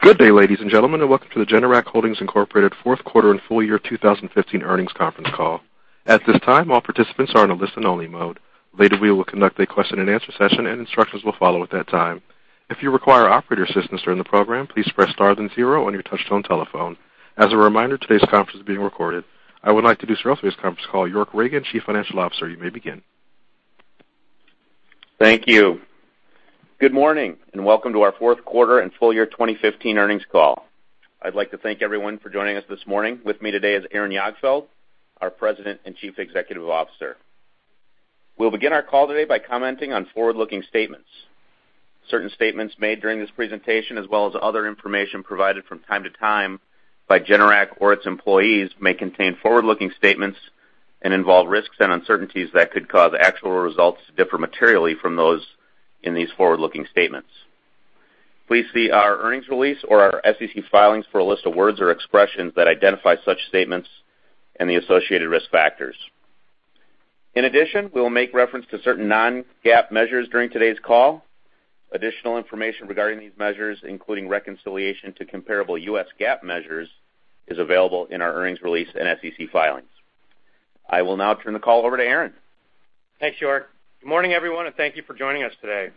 Good day, ladies and gentlemen, and welcome to the Generac Holdings Inc. fourth quarter and full year 2015 earnings conference call. At this time, all participants are in a listen-only mode. Later, we will conduct a question-and-answer session, and instructions will follow at that time. If you require operator assistance during the program, please press star then zero on your touch-tone telephone. As a reminder, today's conference is being recorded. I would like to introduce for this conference call York Ragen, Chief Financial Officer. You may begin. Thank you. Good morning, and welcome to our fourth quarter and full year 2015 earnings call. I'd like to thank everyone for joining us this morning. With me today is Aaron Jagdfeld, our President and Chief Executive Officer. We'll begin our call today by commenting on forward-looking statements. Certain statements made during this presentation, as well as other information provided from time to time by Generac or its employees, may contain forward-looking statements and involve risks and uncertainties that could cause actual results to differ materially from those in these forward-looking statements. Please see our earnings release or our SEC filings for a list of words or expressions that identify such statements and the associated risk factors. In addition, we will make reference to certain non-GAAP measures during today's call. Additional information regarding these measures, including reconciliation to comparable U.S. GAAP measures, is available in our earnings release and SEC filings. I will now turn the call over to Aaron. Thanks, York. Good morning, everyone, thank you for joining us today.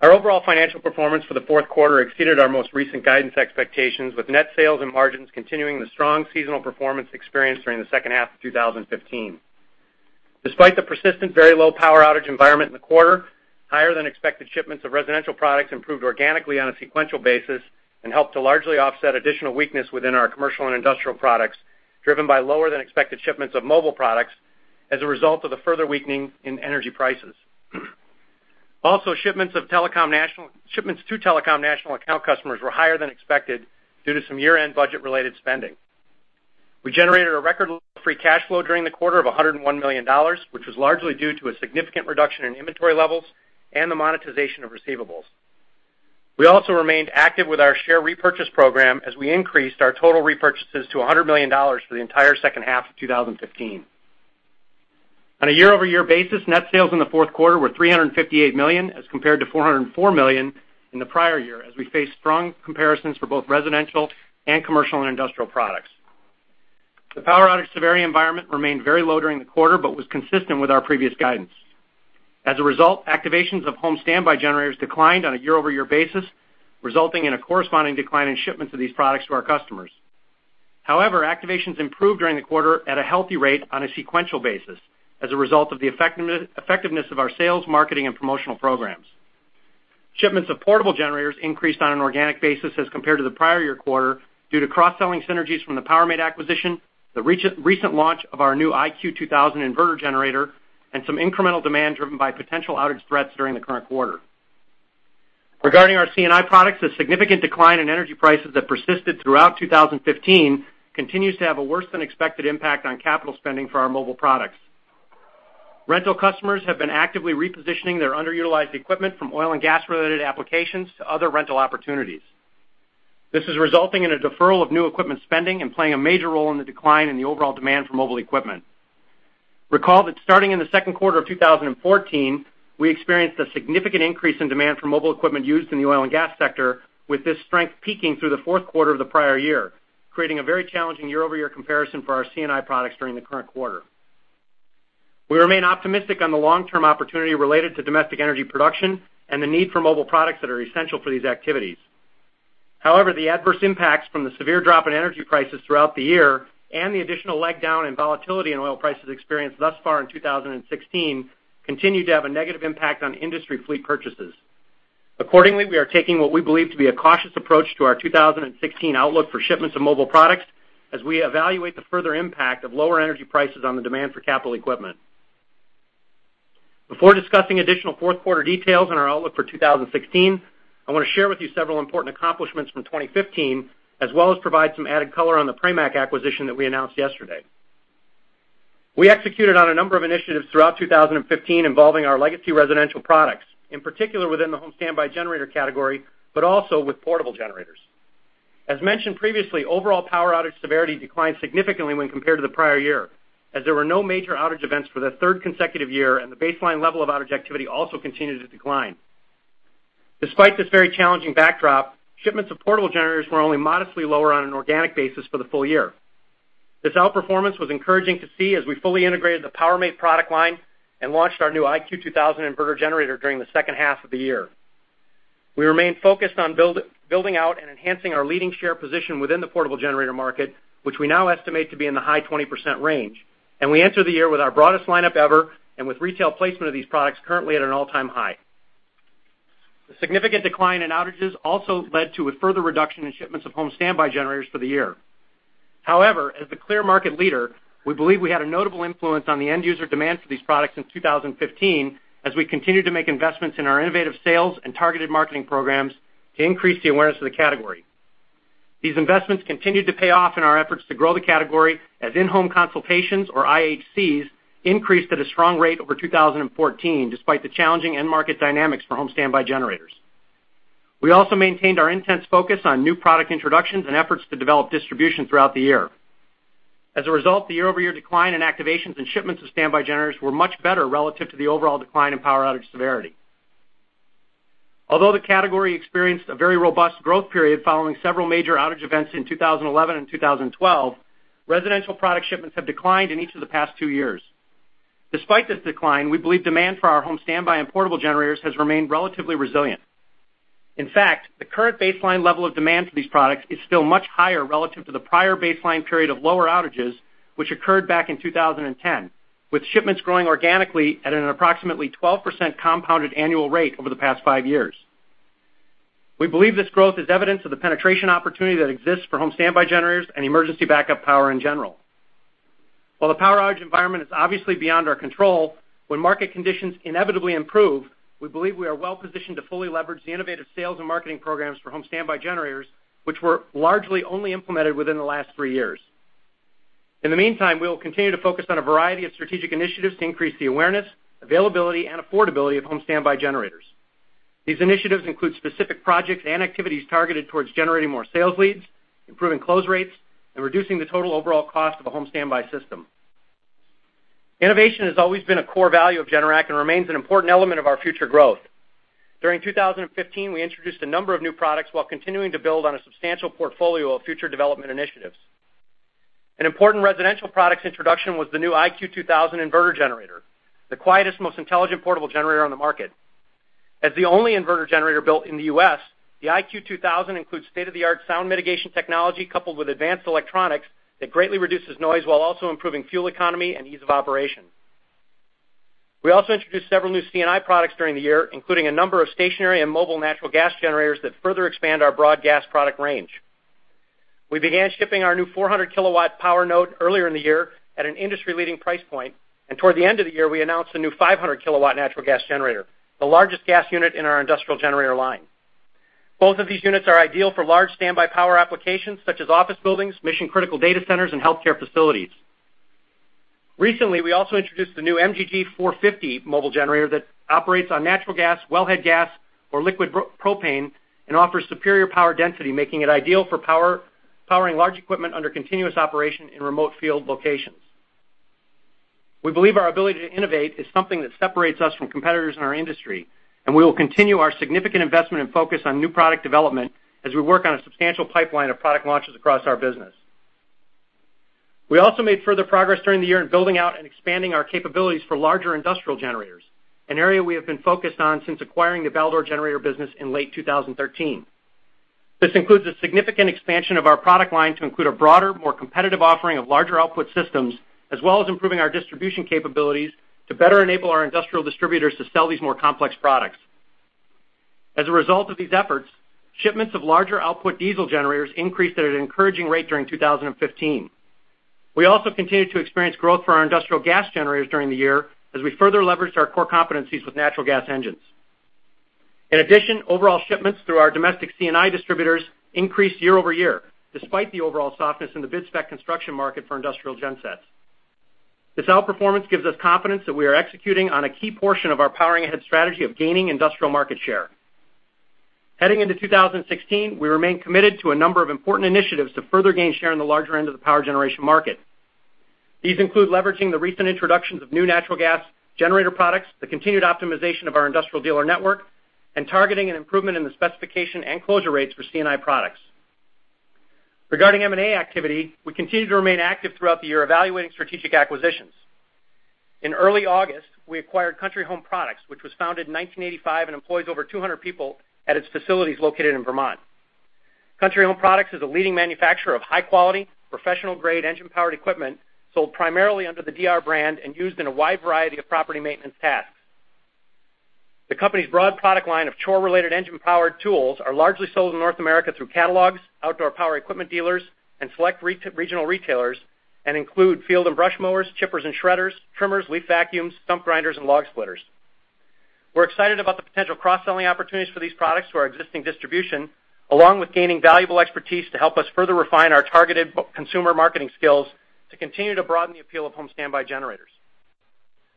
Our overall financial performance for the fourth quarter exceeded our most recent guidance expectations, with net sales and margins continuing the strong seasonal performance experienced during the second half of 2015. Despite the persistent very low power outage environment in the quarter, higher than expected shipments of residential products improved organically on a sequential basis and helped to largely offset additional weakness within our commercial and industrial products, driven by lower than expected shipments of mobile products as a result of the further weakening in energy prices. Also, shipments to telecom national account customers were higher than expected due to some year-end budget-related spending. We generated a record free cash flow during the quarter of $101 million, which was largely due to a significant reduction in inventory levels and the monetization of receivables. We also remained active with our share repurchase program as we increased our total repurchases to $100 million for the entire second half of 2015. On a year-over-year basis, net sales in the fourth quarter were $358 million as compared to $404 million in the prior year, as we face strong comparisons for both residential and commercial and industrial products. The power outage severity environment remained very low during the quarter but was consistent with our previous guidance. As a result, activations of home standby generators declined on a year-over-year basis, resulting in a corresponding decline in shipments of these products to our customers. However, activations improved during the quarter at a healthy rate on a sequential basis as a result of the effectiveness of our sales, marketing, and promotional programs. Shipments of portable generators increased on an organic basis as compared to the prior year quarter due to cross-selling synergies from the Powermate acquisition, the recent launch of our new iQ2000 inverter generator, and some incremental demand driven by potential outage threats during the current quarter. Regarding our C&I products, the significant decline in energy prices that persisted throughout 2015 continues to have a worse-than-expected impact on capital spending for our mobile products. Rental customers have been actively repositioning their underutilized equipment from oil and gas related applications to other rental opportunities. This is resulting in a deferral of new equipment spending and playing a major role in the decline in the overall demand for mobile equipment. Recall that starting in the second quarter of 2014, we experienced a significant increase in demand for mobile equipment used in the oil and gas sector, with this strength peaking through the fourth quarter of the prior year, creating a very challenging year-over-year comparison for our C&I products during the current quarter. We remain optimistic on the long-term opportunity related to domestic energy production and the need for mobile products that are essential for these activities. However, the adverse impacts from the severe drop in energy prices throughout the year and the additional leg down in volatility in oil prices experienced thus far in 2016 continue to have a negative impact on industry fleet purchases. Accordingly, we are taking what we believe to be a cautious approach to our 2016 outlook for shipments of mobile products as we evaluate the further impact of lower energy prices on the demand for capital equipment. Before discussing additional fourth quarter details and our outlook for 2016, I want to share with you several important accomplishments from 2015 as well as provide some added color on the Pramac acquisition that we announced yesterday. We executed on a number of initiatives throughout 2015 involving our legacy residential products, in particular within the home standby generator category, but also with portable generators. As mentioned previously, overall power outage severity declined significantly when compared to the prior year, as there were no major outage events for the third consecutive year and the baseline level of outage activity also continued to decline. Despite this very challenging backdrop, shipments of portable generators were only modestly lower on an organic basis for the full year. This outperformance was encouraging to see as we fully integrated the Powermate product line and launched our new iQ2000 inverter generator during the second half of the year. We remain focused on building out and enhancing our leading share position within the portable generator market, which we now estimate to be in the high 20% range, and we enter the year with our broadest lineup ever and with retail placement of these products currently at an all-time high. The significant decline in outages also led to a further reduction in shipments of home standby generators for the year. However, as the clear market leader, we believe we had a notable influence on the end user demand for these products in 2015 as we continued to make investments in our innovative sales and targeted marketing programs to increase the awareness of the category. These investments continued to pay off in our efforts to grow the category as in-home consultations, or IHCs, increased at a strong rate over 2014, despite the challenging end market dynamics for home standby generators. We also maintained our intense focus on new product introductions and efforts to develop distribution throughout the year. As a result, the year-over-year decline in activations and shipments of standby generators were much better relative to the overall decline in power outage severity. Although the category experienced a very robust growth period following several major outage events in 2011 and 2012, residential product shipments have declined in each of the past two years. Despite this decline, we believe demand for our home standby and portable generators has remained relatively resilient. In fact, the current baseline level of demand for these products is still much higher relative to the prior baseline period of lower outages, which occurred back in 2010, with shipments growing organically at an approximately 12% compounded annual rate over the past five years. We believe this growth is evidence of the penetration opportunity that exists for home standby generators and emergency backup power in general. The power outage environment is obviously beyond our control, when market conditions inevitably improve, we believe we are well positioned to fully leverage the innovative sales and marketing programs for home standby generators, which were largely only implemented within the last three years. In the meantime, we will continue to focus on a variety of strategic initiatives to increase the awareness, availability, and affordability of home standby generators. These initiatives include specific projects and activities targeted towards generating more sales leads, improving close rates, and reducing the total overall cost of a home standby system. Innovation has always been a core value of Generac and remains an important element of our future growth. During 2015, we introduced a number of new products while continuing to build on a substantial portfolio of future development initiatives. An important residential products introduction was the new iQ2000 inverter generator, the quietest, most intelligent portable generator on the market. As the only inverter generator built in the U.S., the iQ2000 includes state-of-the-art sound mitigation technology coupled with advanced electronics that greatly reduces noise while also improving fuel economy and ease of operation. We also introduced several new C&I products during the year, including a number of stationary and mobile natural gas generators that further expand our broad gas product range. We began shipping our new 400 kW power node earlier in the year at an industry-leading price point. Toward the end of the year, we announced a new 500 kW natural gas generator, the largest gas unit in our industrial generator line. Both of these units are ideal for large standby power applications such as office buildings, mission critical data centers, and healthcare facilities. Recently, we also introduced the new MGG450 mobile generator that operates on natural gas, wellhead gas, or liquid propane and offers superior power density, making it ideal for powering large equipment under continuous operation in remote field locations. We believe our ability to innovate is something that separates us from competitors in our industry. We will continue our significant investment and focus on new product development as we work on a substantial pipeline of product launches across our business. We also made further progress during the year in building out and expanding our capabilities for larger industrial generators, an area we have been focused on since acquiring the Baldor generator business in late 2013. This includes a significant expansion of our product line to include a broader, more competitive offering of larger output systems, as well as improving our distribution capabilities to better enable our industrial distributors to sell these more complex products. As a result of these efforts, shipments of larger output diesel generators increased at an encouraging rate during 2015. We also continued to experience growth for our industrial gas generators during the year as we further leveraged our core competencies with natural gas engines. In addition, overall shipments through our domestic C&I distributors increased year-over-year, despite the overall softness in the bid spec construction market for industrial gensets. This outperformance gives us confidence that we are executing on a key portion of our Powering Ahead strategy of gaining industrial market share. Heading into 2016, we remain committed to a number of important initiatives to further gain share in the larger end of the power generation market. These include leveraging the recent introductions of new natural gas generator products, the continued optimization of our industrial dealer network, targeting an improvement in the specification and closure rates for C&I products. Regarding M&A activity, we continued to remain active throughout the year evaluating strategic acquisitions. In early August, we acquired Country Home Products, which was founded in 1985 and employs over 200 people at its facilities located in Vermont. Country Home Products is a leading manufacturer of high-quality, professional-grade engine powered equipment sold primarily under the DR brand and used in a wide variety of property maintenance tasks. The company's broad product line of chore-related engine powered tools are largely sold in North America through catalogs, outdoor power equipment dealers, and select regional retailers, and include field and brush mowers, chippers and shredders, trimmers, leaf vacuums, stump grinders, and log splitters. We are excited about the potential cross-selling opportunities for these products to our existing distribution, along with gaining valuable expertise to help us further refine our targeted consumer marketing skills to continue to broaden the appeal of home standby generators.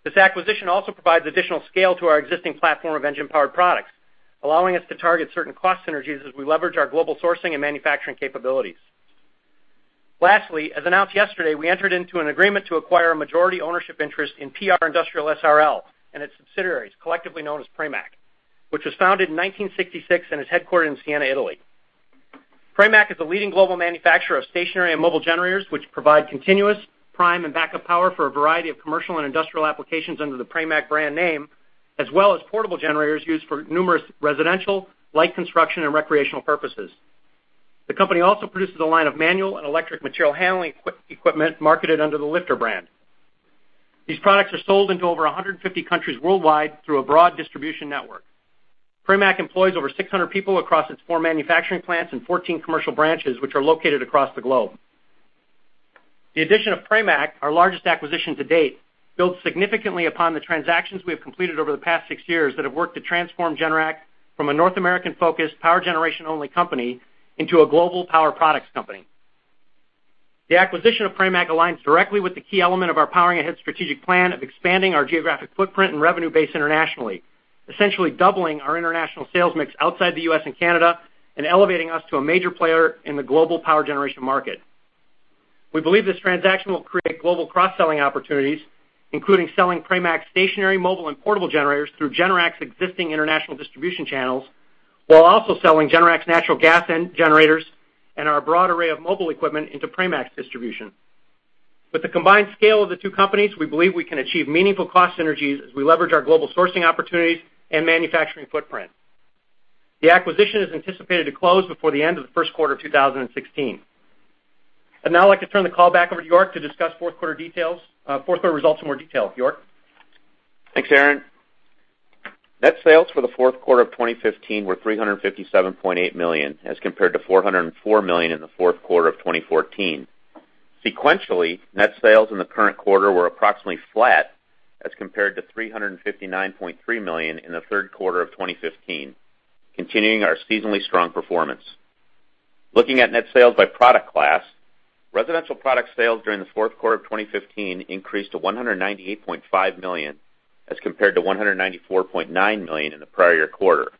This acquisition also provides additional scale to our existing platform of engine powered products, allowing us to target certain cost synergies as we leverage our global sourcing and manufacturing capabilities. Lastly, as announced yesterday, we entered into an agreement to acquire a majority ownership interest in PR Industrial S.r.l. and its subsidiaries, collectively known as Pramac, which was founded in 1966 and is headquartered in Siena, Italy. Pramac is a leading global manufacturer of stationary and mobile generators, which provide continuous prime and backup power for a variety of commercial and industrial applications under the Pramac brand name, as well as portable generators used for numerous residential, light construction, and recreational purposes. The company also produces a line of manual and electric material handling equipment marketed under the Lifter brand. These products are sold into over 150 countries worldwide through a broad distribution network. Pramac employs over 600 people across its four manufacturing plants and 14 commercial branches, which are located across the globe. The addition of Pramac, our largest acquisition to date, builds significantly upon the transactions we have completed over the past six years that have worked to transform Generac from a North American focused power generation only company into a global power products company. The acquisition of Pramac aligns directly with the key element of our Powering Ahead strategic plan of expanding our geographic footprint and revenue base internationally, essentially doubling our international sales mix outside the U.S. and Canada, and elevating us to a major player in the global power generation market. We believe this transaction will create global cross-selling opportunities, including selling Pramac's stationary, mobile, and portable generators through Generac's existing international distribution channels, while also selling Generac's natural gas end generators and our broad array of mobile equipment into Pramac's distribution. With the combined scale of the two companies, we believe we can achieve meaningful cost synergies as we leverage our global sourcing opportunities and manufacturing footprint. The acquisition is anticipated to close before the end of the first quarter of 2016. I would now like to turn the call back over to York to discuss fourth quarter results in more detail. York? Thanks, Aaron. Net sales for the fourth quarter of 2015 were $357.8 million, as compared to $404 million in the fourth quarter of 2014. Sequentially, net sales in the current quarter were approximately flat as compared to $359.3 million in the third quarter of 2015, continuing our seasonally strong performance. Looking at net sales by product class, residential product sales during the fourth quarter of 2015 increased to $198.5 million, as compared to $194.9 million in the prior quarter.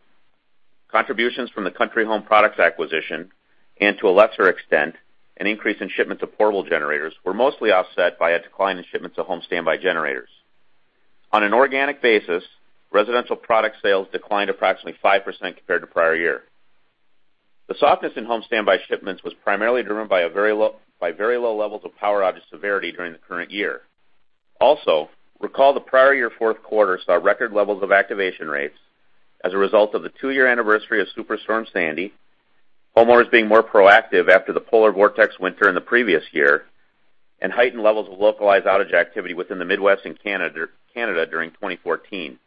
Contributions from the Country Home Products acquisition and, to a lesser extent, an increase in shipment to portable generators, were mostly offset by a decline in shipments of home standby generators. On an organic basis, residential product sales declined approximately 5% compared to prior year. The softness in home standby shipments was primarily driven by very low levels of power outage severity during the current year. Also, recall the prior year fourth quarter saw record levels of activation rates as a result of the two-year anniversary of Superstorm Sandy, homeowners being more proactive after the polar vortex winter in the previous year, and heightened levels of localized outage activity within the Midwest and Canada during 2014.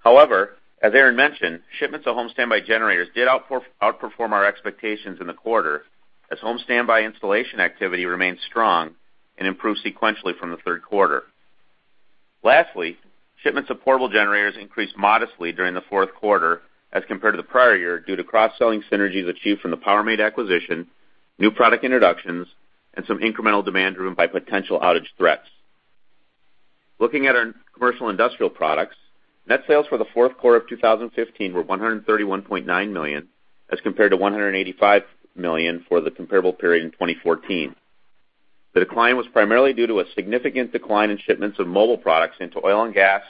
However, as Aaron mentioned, shipments of home standby generators did outperform our expectations in the quarter, as home standby installation activity remained strong and improved sequentially from the third quarter. Lastly, shipments of portable generators increased modestly during the fourth quarter as compared to the prior year, due to cross-selling synergies achieved from the Powermate acquisition, new product introductions, and some incremental demand driven by potential outage threats. Looking at our commercial industrial products, net sales for the fourth quarter of 2015 were $131.9 million, as compared to $185 million for the comparable period in 2014. The decline was primarily due to a significant decline in shipments of mobile products into oil and gas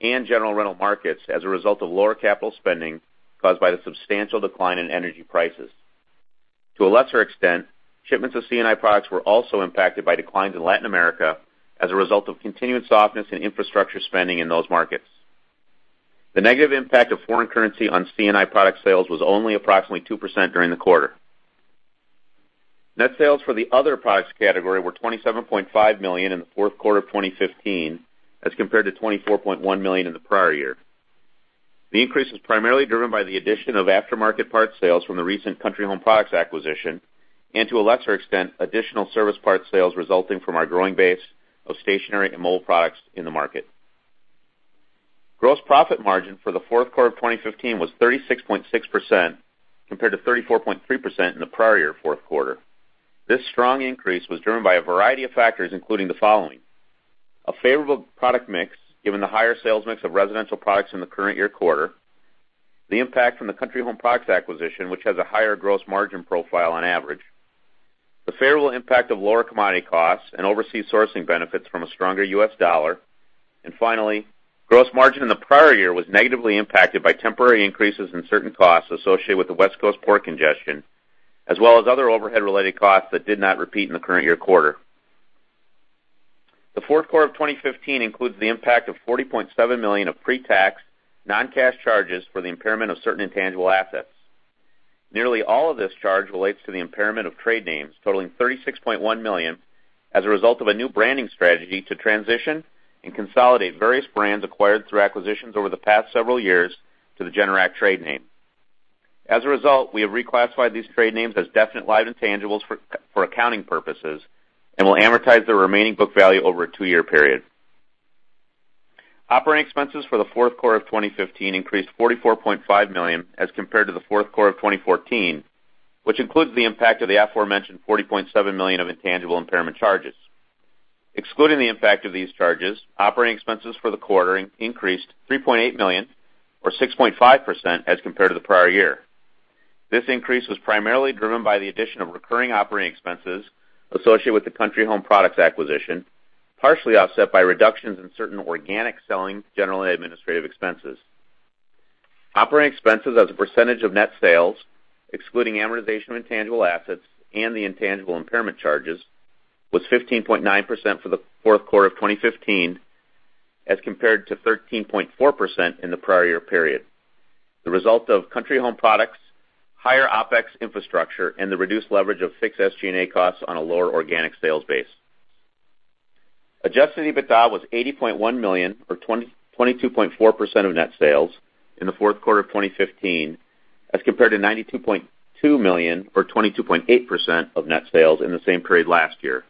and general rental markets as a result of lower capital spending caused by the substantial decline in energy prices. To a lesser extent, shipments of C&I products were also impacted by declines in Latin America as a result of continued softness in infrastructure spending in those markets. The negative impact of foreign currency on C&I product sales was only approximately 2% during the quarter. Net sales for the other products category were $27.5 million in the fourth quarter of 2015, as compared to $24.1 million in the prior year. The increase was primarily driven by the addition of aftermarket parts sales from the recent Country Home Products acquisition and, to a lesser extent, additional service parts sales resulting from our growing base of stationary and mobile products in the market. Gross profit margin for the fourth quarter of 2015 was 36.6%, compared to 34.3% in the prior year fourth quarter. This strong increase was driven by a variety of factors, including the following. A favorable product mix, given the higher sales mix of residential products in the current year quarter. The impact from the Country Home Products acquisition, which has a higher gross margin profile on average. The favorable impact of lower commodity costs and overseas sourcing benefits from a stronger U.S. dollar. Finally, gross margin in the prior year was negatively impacted by temporary increases in certain costs associated with the West Coast port congestion, as well as other overhead related costs that did not repeat in the current year quarter. The fourth quarter of 2015 includes the impact of $40.7 million of pre-tax, non-cash charges for the impairment of certain intangible assets. Nearly all of this charge relates to the impairment of trade names, totaling $36.1 million, as a result of a new branding strategy to transition and consolidate various brands acquired through acquisitions over the past several years to the Generac trade name. As a result, we have reclassified these trade names as definite live intangibles for accounting purposes and will amortize the remaining book value over a two-year period. Operating expenses for the fourth quarter of 2015 increased to $44.5 million as compared to the fourth quarter of 2014, which includes the impact of the aforementioned $40.7 million of intangible impairment charges. Excluding the impact of these charges, operating expenses for the quarter increased $3.8 million or 6.5% as compared to the prior year. This increase was primarily driven by the addition of recurring operating expenses associated with the Country Home Products acquisition, partially offset by reductions in certain organic selling, general and administrative expenses. Operating expenses as a percentage of net sales, excluding amortization of intangible assets and the intangible impairment charges, was 15.9% for the fourth quarter of 2015 as compared to 13.4% in the prior year period. The result of Country Home Products, higher OpEx infrastructure, and the reduced leverage of fixed SG&A costs on a lower organic sales base. Adjusted EBITDA was $80.1 million or 22.4% of net sales in the fourth quarter of 2015, as compared to $92.2 million or 22.8% of net sales in the same period last year.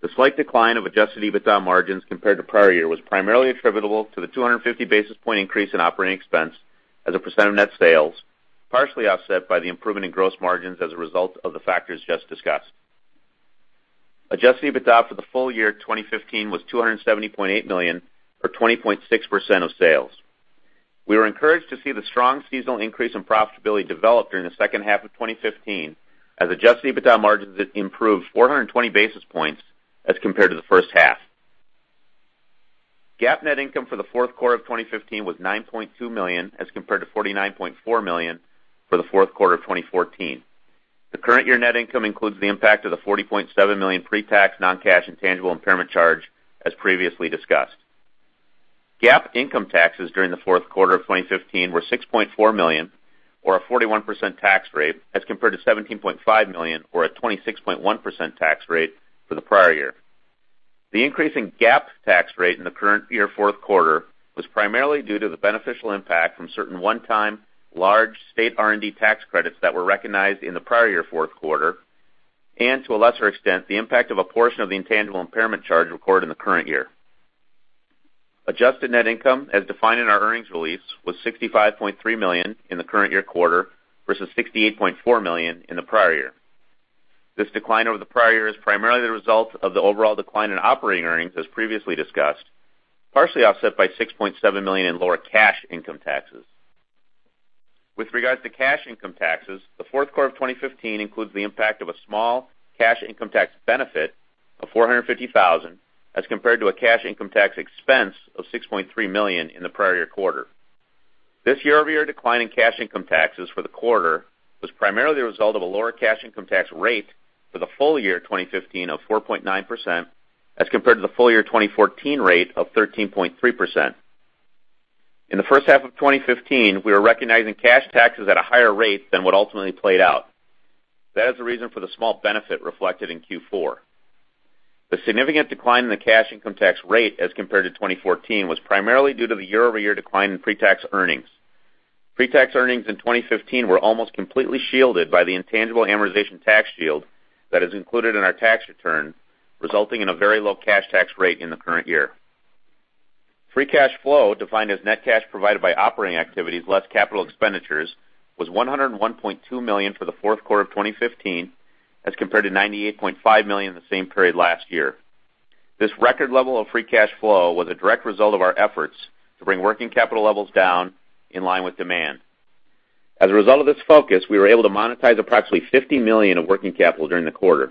The slight decline of adjusted EBITDA margins compared to prior year was primarily attributable to the 250 basis point increase in operating expense as a percent of net sales, partially offset by the improvement in gross margins as a result of the factors just discussed. Adjusted EBITDA for the full year 2015 was $270.8 million, or 20.6% of sales. We were encouraged to see the strong seasonal increase in profitability develop during the second half of 2015, as adjusted EBITDA margins improved 420 basis points as compared to the first half. GAAP net income for the fourth quarter of 2015 was $9.2 million, as compared to $49.4 million for the fourth quarter of 2014. The current year net income includes the impact of the $40.7 million pre-tax non-cash intangible impairment charge, as previously discussed. GAAP income taxes during the fourth quarter of 2015 were $6.4 million, or a 41% tax rate, as compared to $17.5 million, or a 26.1% tax rate for the prior year. The increase in GAAP tax rate in the current year fourth quarter was primarily due to the beneficial impact from certain one-time large state R&D tax credits that were recognized in the prior year fourth quarter, and to a lesser extent, the impact of a portion of the intangible impairment charge recorded in the current year. Adjusted net income, as defined in our earnings release, was $65.3 million in the current year quarter, versus $68.4 million in the prior year. This decline over the prior year is primarily the result of the overall decline in operating earnings, as previously discussed, partially offset by $6.7 million in lower cash income taxes. With regards to cash income taxes, the fourth quarter of 2015 includes the impact of a small cash income tax benefit of $450,000, as compared to a cash income tax expense of $6.3 million in the prior year quarter. This year-over-year decline in cash income taxes for the quarter was primarily the result of a lower cash income tax rate for the full year 2015 of 4.9%, as compared to the full year 2014 rate of 13.3%. In the first half of 2015, we were recognizing cash taxes at a higher rate than what ultimately played out. That is the reason for the small benefit reflected in Q4. The significant decline in the cash income tax rate as compared to 2014 was primarily due to the year-over-year decline in pre-tax earnings. Pre-tax earnings in 2015 were almost completely shielded by the intangible amortization tax shield that is included in our tax return, resulting in a very low cash tax rate in the current year. Free cash flow, defined as net cash provided by operating activities less capital expenditures, was $101.2 million for the fourth quarter of 2015, as compared to $98.5 million in the same period last year. This record level of free cash flow was a direct result of our efforts to bring working capital levels down in line with demand. As a result of this focus, we were able to monetize approximately $50 million of working capital during the quarter.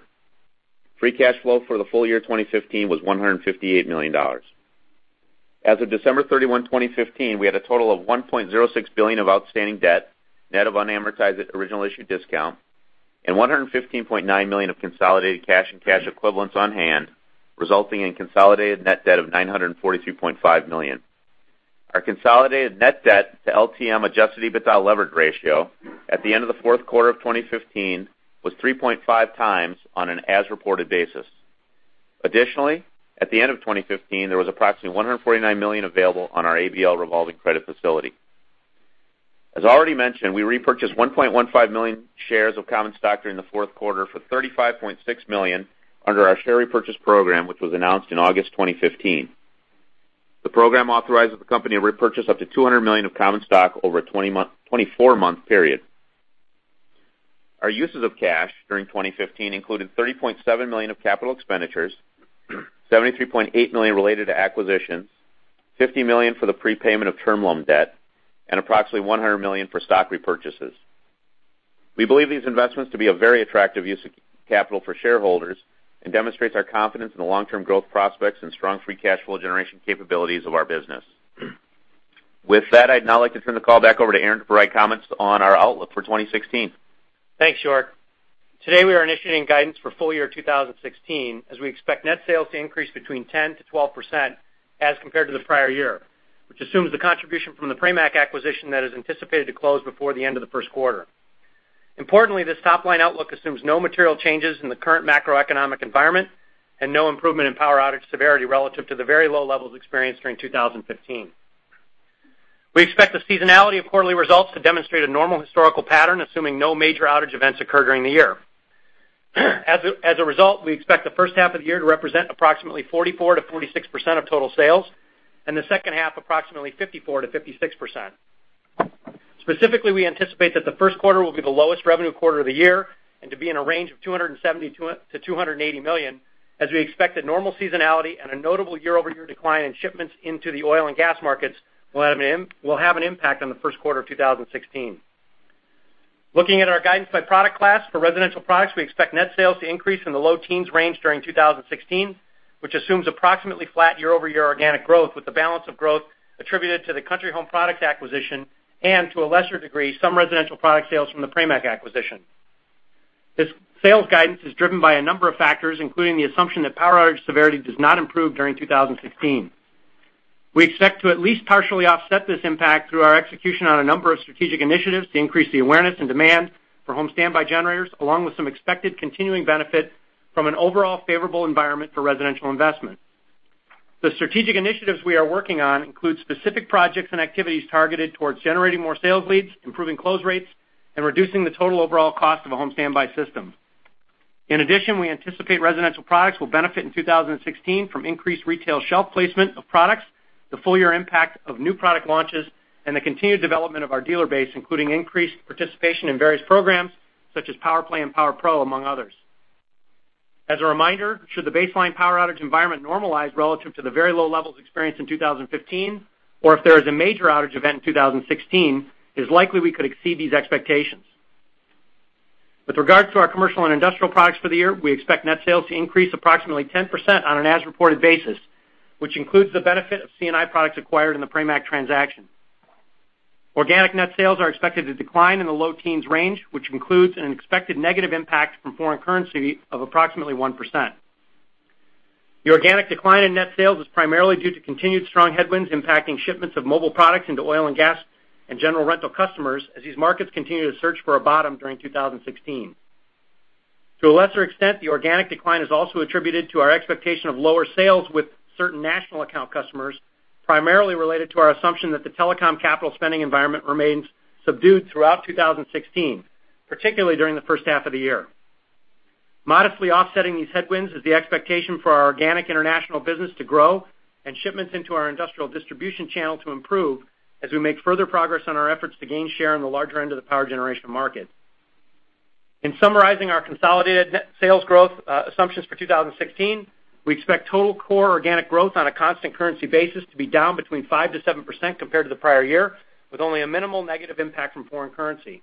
Free cash flow for the full year 2015 was $158 million. As of December 31, 2015, we had a total of $1.06 billion of outstanding debt, net of unamortized original issue discount, and $115.9 million of consolidated cash and cash equivalents on hand, resulting in consolidated net debt of $942.5 million. Our consolidated net debt to LTM adjusted EBITDA levered ratio at the end of the fourth quarter of 2015 was 3.5x on an as-reported basis. Additionally, at the end of 2015, there was approximately $149 million available on our ABL revolving credit facility. As already mentioned, we repurchased 1.15 million shares of common stock during the fourth quarter for $35.6 million under our share repurchase program, which was announced in August 2015. The program authorizes the company to repurchase up to $200 million of common stock over a 24-month period. Our uses of cash during 2015 included $30.7 million of capital expenditures, $73.8 million related to acquisitions, $50 million for the prepayment of term loan debt, and approximately $100 million for stock repurchases. We believe these investments to be a very attractive use of capital for shareholders and demonstrates our confidence in the long-term growth prospects and strong free cash flow generation capabilities of our business. With that, I'd now like to turn the call back over to Aaron to provide comments on our outlook for 2016. Thanks, York. Today, we are initiating guidance for full year 2016, as we expect net sales to increase between 10%-12% as compared to the prior year, which assumes the contribution from the Pramac acquisition that is anticipated to close before the end of the first quarter. Importantly, this top-line outlook assumes no material changes in the current macroeconomic environment and no improvement in power outage severity relative to the very low levels experienced during 2015. We expect the seasonality of quarterly results to demonstrate a normal historical pattern, assuming no major outage events occur during the year. As a result, we expect the first half of the year to represent approximately 44%-46% of total sales, and the second half, approximately 54%-56%. Specifically, we anticipate that the first quarter will be the lowest revenue quarter of the year and to be in a range of $270 million-$280 million, as we expect that normal seasonality and a notable year-over-year decline in shipments into the oil and gas markets will have an impact on the first quarter of 2016. Looking at our guidance by product class, for residential products, we expect net sales to increase in the low teens range during 2016, which assumes approximately flat year-over-year organic growth, with the balance of growth attributed to the Country Home Products acquisition and, to a lesser degree, some residential product sales from the Pramac acquisition. This sales guidance is driven by a number of factors, including the assumption that power outage severity does not improve during 2016. We expect to at least partially offset this impact through our execution on a number of strategic initiatives to increase the awareness and demand for home standby generators, along with some expected continuing benefit from an overall favorable environment for residential investment. The strategic initiatives we are working on include specific projects and activities targeted towards generating more sales leads, improving close rates, and reducing the total overall cost of a home standby system. In addition, we anticipate residential products will benefit in 2016 from increased retail shelf placement of products. The full year impact of new product launches and the continued development of our dealer base, including increased participation in various programs such as PowerPlay and PowerPro, among others. As a reminder, should the baseline power outage environment normalize relative to the very low levels experienced in 2015, or if there is a major outage event in 2016, it is likely we could exceed these expectations. With regard to our commercial and industrial products for the year, we expect net sales to increase approximately 10% on an as-reported basis, which includes the benefit of C&I products acquired in the Pramac transaction. Organic net sales are expected to decline in the low teens range, which includes an expected negative impact from foreign currency of approximately 1%. The organic decline in net sales is primarily due to continued strong headwinds impacting shipments of mobile products into oil and gas and general rental customers, as these markets continue to search for a bottom during 2016. To a lesser extent, the organic decline is also attributed to our expectation of lower sales with certain national account customers, primarily related to our assumption that the telecom capital spending environment remains subdued throughout 2016, particularly during the first half of the year. Modestly offsetting these headwinds is the expectation for our organic international business to grow and shipments into our industrial distribution channel to improve as we make further progress on our efforts to gain share in the larger end of the power generation market. In summarizing our consolidated net sales growth assumptions for 2016, we expect total core organic growth on a constant currency basis to be down between 5%-7% compared to the prior year, with only a minimal negative impact from foreign currency.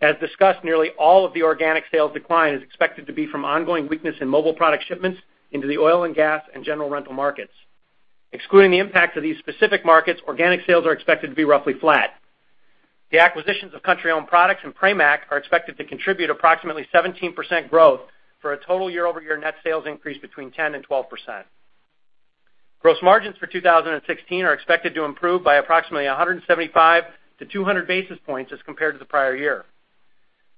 As discussed, nearly all of the organic sales decline is expected to be from ongoing weakness in mobile product shipments into the oil and gas and general rental markets. Excluding the impact of these specific markets, organic sales are expected to be roughly flat. The acquisitions of Country Home Products and Pramac are expected to contribute approximately 17% growth for a total year-over-year net sales increase between 10% and 12%. Gross margins for 2016 are expected to improve by approximately 175 basis points-200 basis points as compared to the prior year.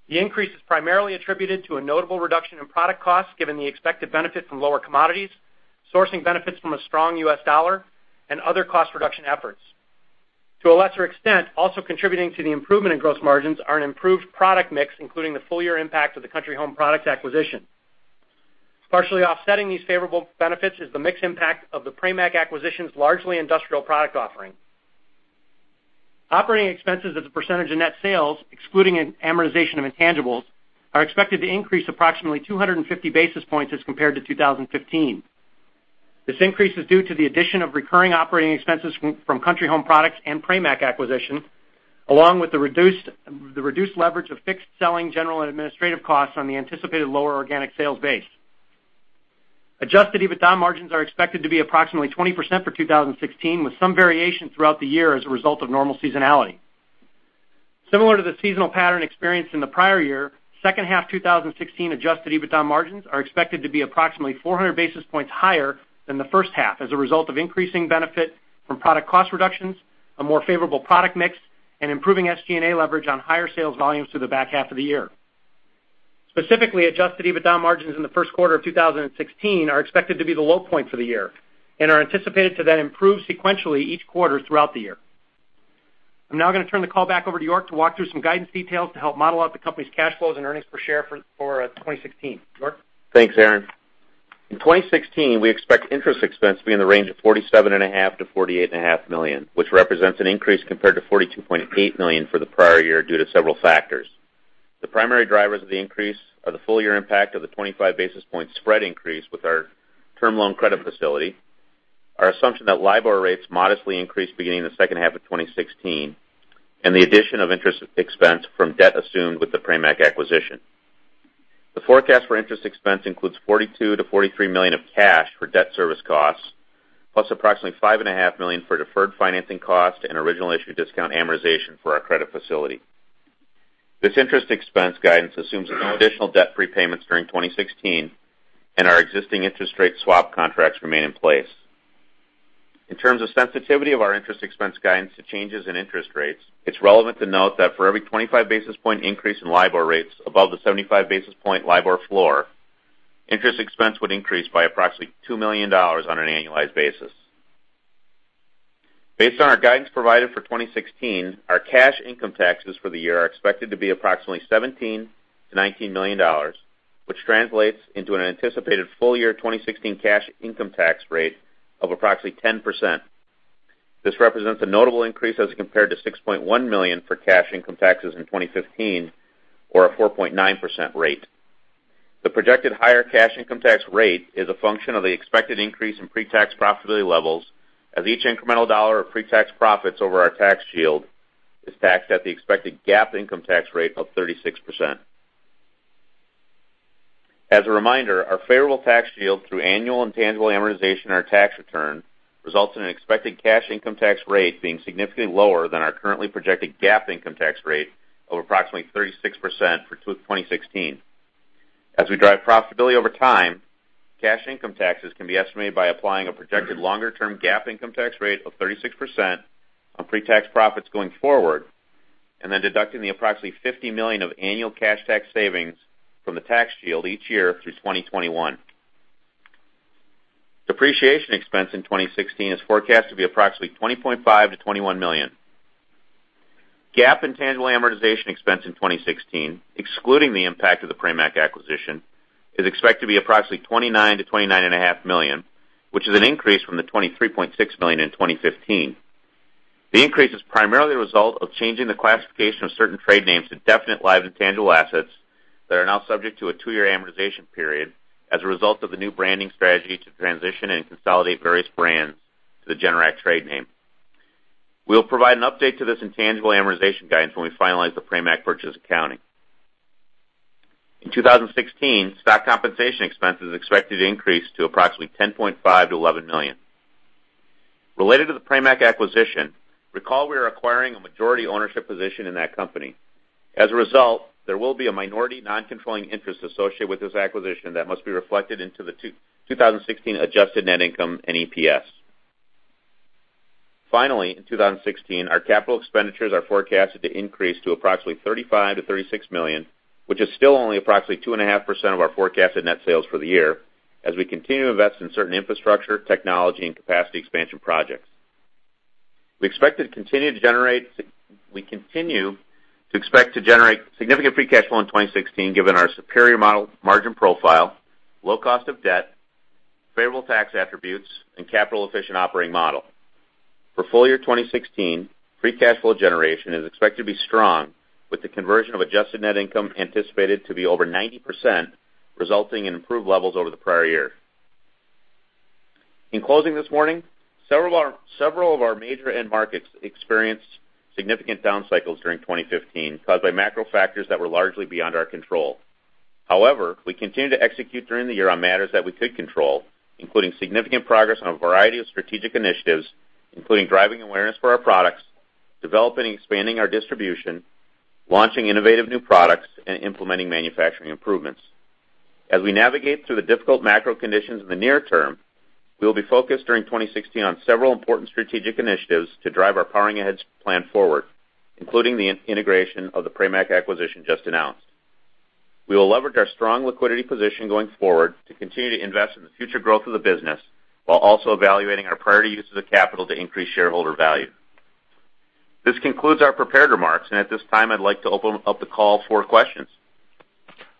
The increase is primarily attributed to a notable reduction in product costs, given the expected benefit from lower commodities, sourcing benefits from a strong U.S. dollar, and other cost reduction efforts. To a lesser extent, also contributing to the improvement in gross margins are an improved product mix, including the full year impact of the Country Home Products acquisition. Partially offsetting these favorable benefits is the mixed impact of the Pramac acquisition's largely industrial product offering. Operating expenses as a percentage of net sales, excluding amortization of intangibles, are expected to increase approximately 250 basis points as compared to 2015. This increase is due to the addition of recurring operating expenses from Country Home Products and Pramac acquisition, along with the reduced leverage of fixed selling general administrative costs on the anticipated lower organic sales base. Adjusted EBITDA margins are expected to be approximately 20% for 2016, with some variation throughout the year as a result of normal seasonality. Similar to the seasonal pattern experienced in the prior year, second half 2016 adjusted EBITDA margins are expected to be approximately 400 basis points higher than the first half as a result of increasing benefit from product cost reductions, a more favorable product mix, and improving SG&A leverage on higher sales volumes through the back half of the year. Specifically, adjusted EBITDA margins in the first quarter of 2016 are expected to be the low point for the year and are anticipated to then improve sequentially each quarter throughout the year. I am now going to turn the call back over to York to walk through some guidance details to help model out the company's cash flows and earnings per share for 2016. York? Thanks, Aaron. In 2016, we expect interest expense to be in the range of $47.5 million-$48.5 million, which represents an increase compared to $42.8 million for the prior year due to several factors. The primary drivers of the increase are the full year impact of the 25 basis point spread increase with our term loan credit facility, our assumption that LIBOR rates modestly increase beginning the second half of 2016, and the addition of interest expense from debt assumed with the Pramac acquisition. The forecast for interest expense includes $42 million-$43 million of cash for debt service costs, plus approximately $5.5 million for deferred financing cost and original issue discount amortization for our credit facility. This interest expense guidance assumes no additional debt repayments during 2016, and our existing interest rate swap contracts remain in place. In terms of sensitivity of our interest expense guidance to changes in interest rates, it's relevant to note that for every 25 basis point increase in LIBOR rates above the 75 basis point LIBOR floor, interest expense would increase by approximately $2 million on an annualized basis. Based on our guidance provided for 2016, our cash income taxes for the year are expected to be approximately $17 million-$19 million, which translates into an anticipated full year 2016 cash income tax rate of approximately 10%. This represents a notable increase as compared to $6.1 million for cash income taxes in 2015, or a 4.9% rate. The projected higher cash income tax rate is a function of the expected increase in pre-tax profitability levels as each incremental dollar of pre-tax profits over our tax shield is taxed at the expected GAAP income tax rate of 36%. As a reminder, our favorable tax shield through annual and tangible amortization on our tax return results in an expected cash income tax rate being significantly lower than our currently projected GAAP income tax rate of approximately 36% for 2016. As we drive profitability over time, cash income taxes can be estimated by applying a projected longer-term GAAP income tax rate of 36% on pre-tax profits going forward, then deducting the approximately $50 million of annual cash tax savings from the tax shield each year through 2021. Depreciation expense in 2016 is forecast to be approximately $20.5 million-$21 million. GAAP intangible amortization expense in 2016, excluding the impact of the Pramac acquisition, is expected to be approximately $29 million-$29.5 million, which is an increase from the $23.6 million in 2015. The increase is primarily a result of changing the classification of certain trade names to definite-lived intangible assets that are now subject to a two-year amortization period as a result of the new branding strategy to transition and consolidate various brands to the Generac trade name. We'll provide an update to this intangible amortization guidance when we finalize the Pramac purchase accounting. In 2016, stock compensation expense is expected to increase to approximately $10.5 million-$11 million. Related to the Pramac acquisition, recall we are acquiring a majority ownership position in that company. As a result, there will be a minority non-controlling interest associated with this acquisition that must be reflected into the 2016 adjusted net income and EPS. Finally, in 2016, our capital expenditures are forecasted to increase to approximately $35 million-$36 million, which is still only approximately 2.5% of our forecasted net sales for the year, as we continue to invest in certain infrastructure, technology, and capacity expansion projects. We continue to expect to generate significant free cash flow in 2016, given our superior model margin profile, low cost of debt, favorable tax attributes, and capital-efficient operating model. For full year 2016, free cash flow generation is expected to be strong with the conversion of adjusted net income anticipated to be over 90%, resulting in improved levels over the prior year. In closing this morning, several of our major end markets experienced significant down cycles during 2015 caused by macro factors that were largely beyond our control. However, we continued to execute during the year on matters that we could control, including significant progress on a variety of strategic initiatives, including driving awareness for our products, developing and expanding our distribution, launching innovative new products, and implementing manufacturing improvements. As we navigate through the difficult macro conditions in the near term, we'll be focused during 2016 on several important strategic initiatives to drive our Powering Ahead plan forward, including the integration of the Pramac acquisition just announced. We will leverage our strong liquidity position going forward to continue to invest in the future growth of the business while also evaluating our priority uses of capital to increase shareholder value. This concludes our prepared remarks, and at this time, I'd like to open up the call for questions.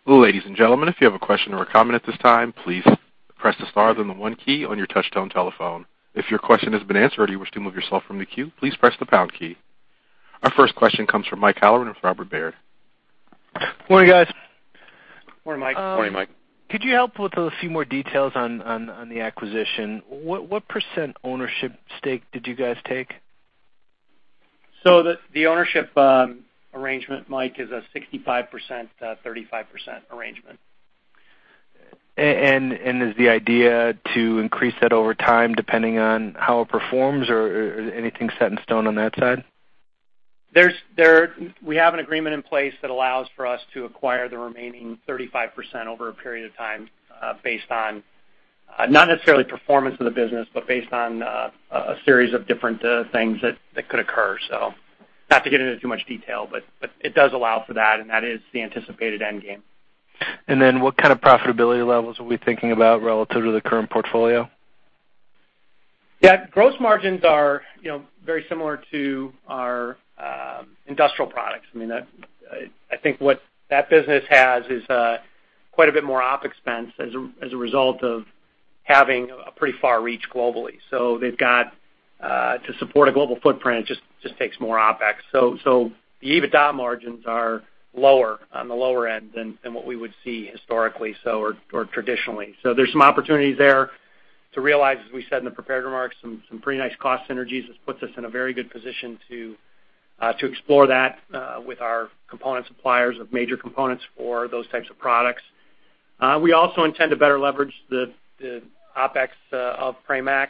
Ladies and gentlemen, if you have a question or a comment at this time, please press the star then the one key on your touch-tone telephone. If your question has been answered or you wish to remove yourself from the queue, please press the pound key. Our first question comes from Mike Halloran of Robert Baird. Morning, guys. Morning, Mike. Morning, Mike. Could you help with a few more details on the acquisition? What percent ownership stake did you guys take? The ownership arrangement, Mike, is a 65%/35% arrangement. Is the idea to increase that over time, depending on how it performs, or is anything set in stone on that side? We have an agreement in place that allows for us to acquire the remaining 35% over a period of time based on, not necessarily performance of the business, but based on a series of different things that could occur. Not to get into too much detail, but it does allow for that, and that is the anticipated end game. What kind of profitability levels are we thinking about relative to the current portfolio? Yeah. Gross margins are very similar to our industrial products. I think what that business has is quite a bit more OpEx spend as a result of having a pretty far reach globally. To support a global footprint just takes more OpEx. The EBITDA margins are lower, on the lower end than what we would see historically or traditionally. There's some opportunities there to realize, as we said in the prepared remarks, some pretty nice cost synergies, which puts us in a very good position to explore that with our component suppliers of major components for those types of products. We also intend to better leverage the OpEx of Pramac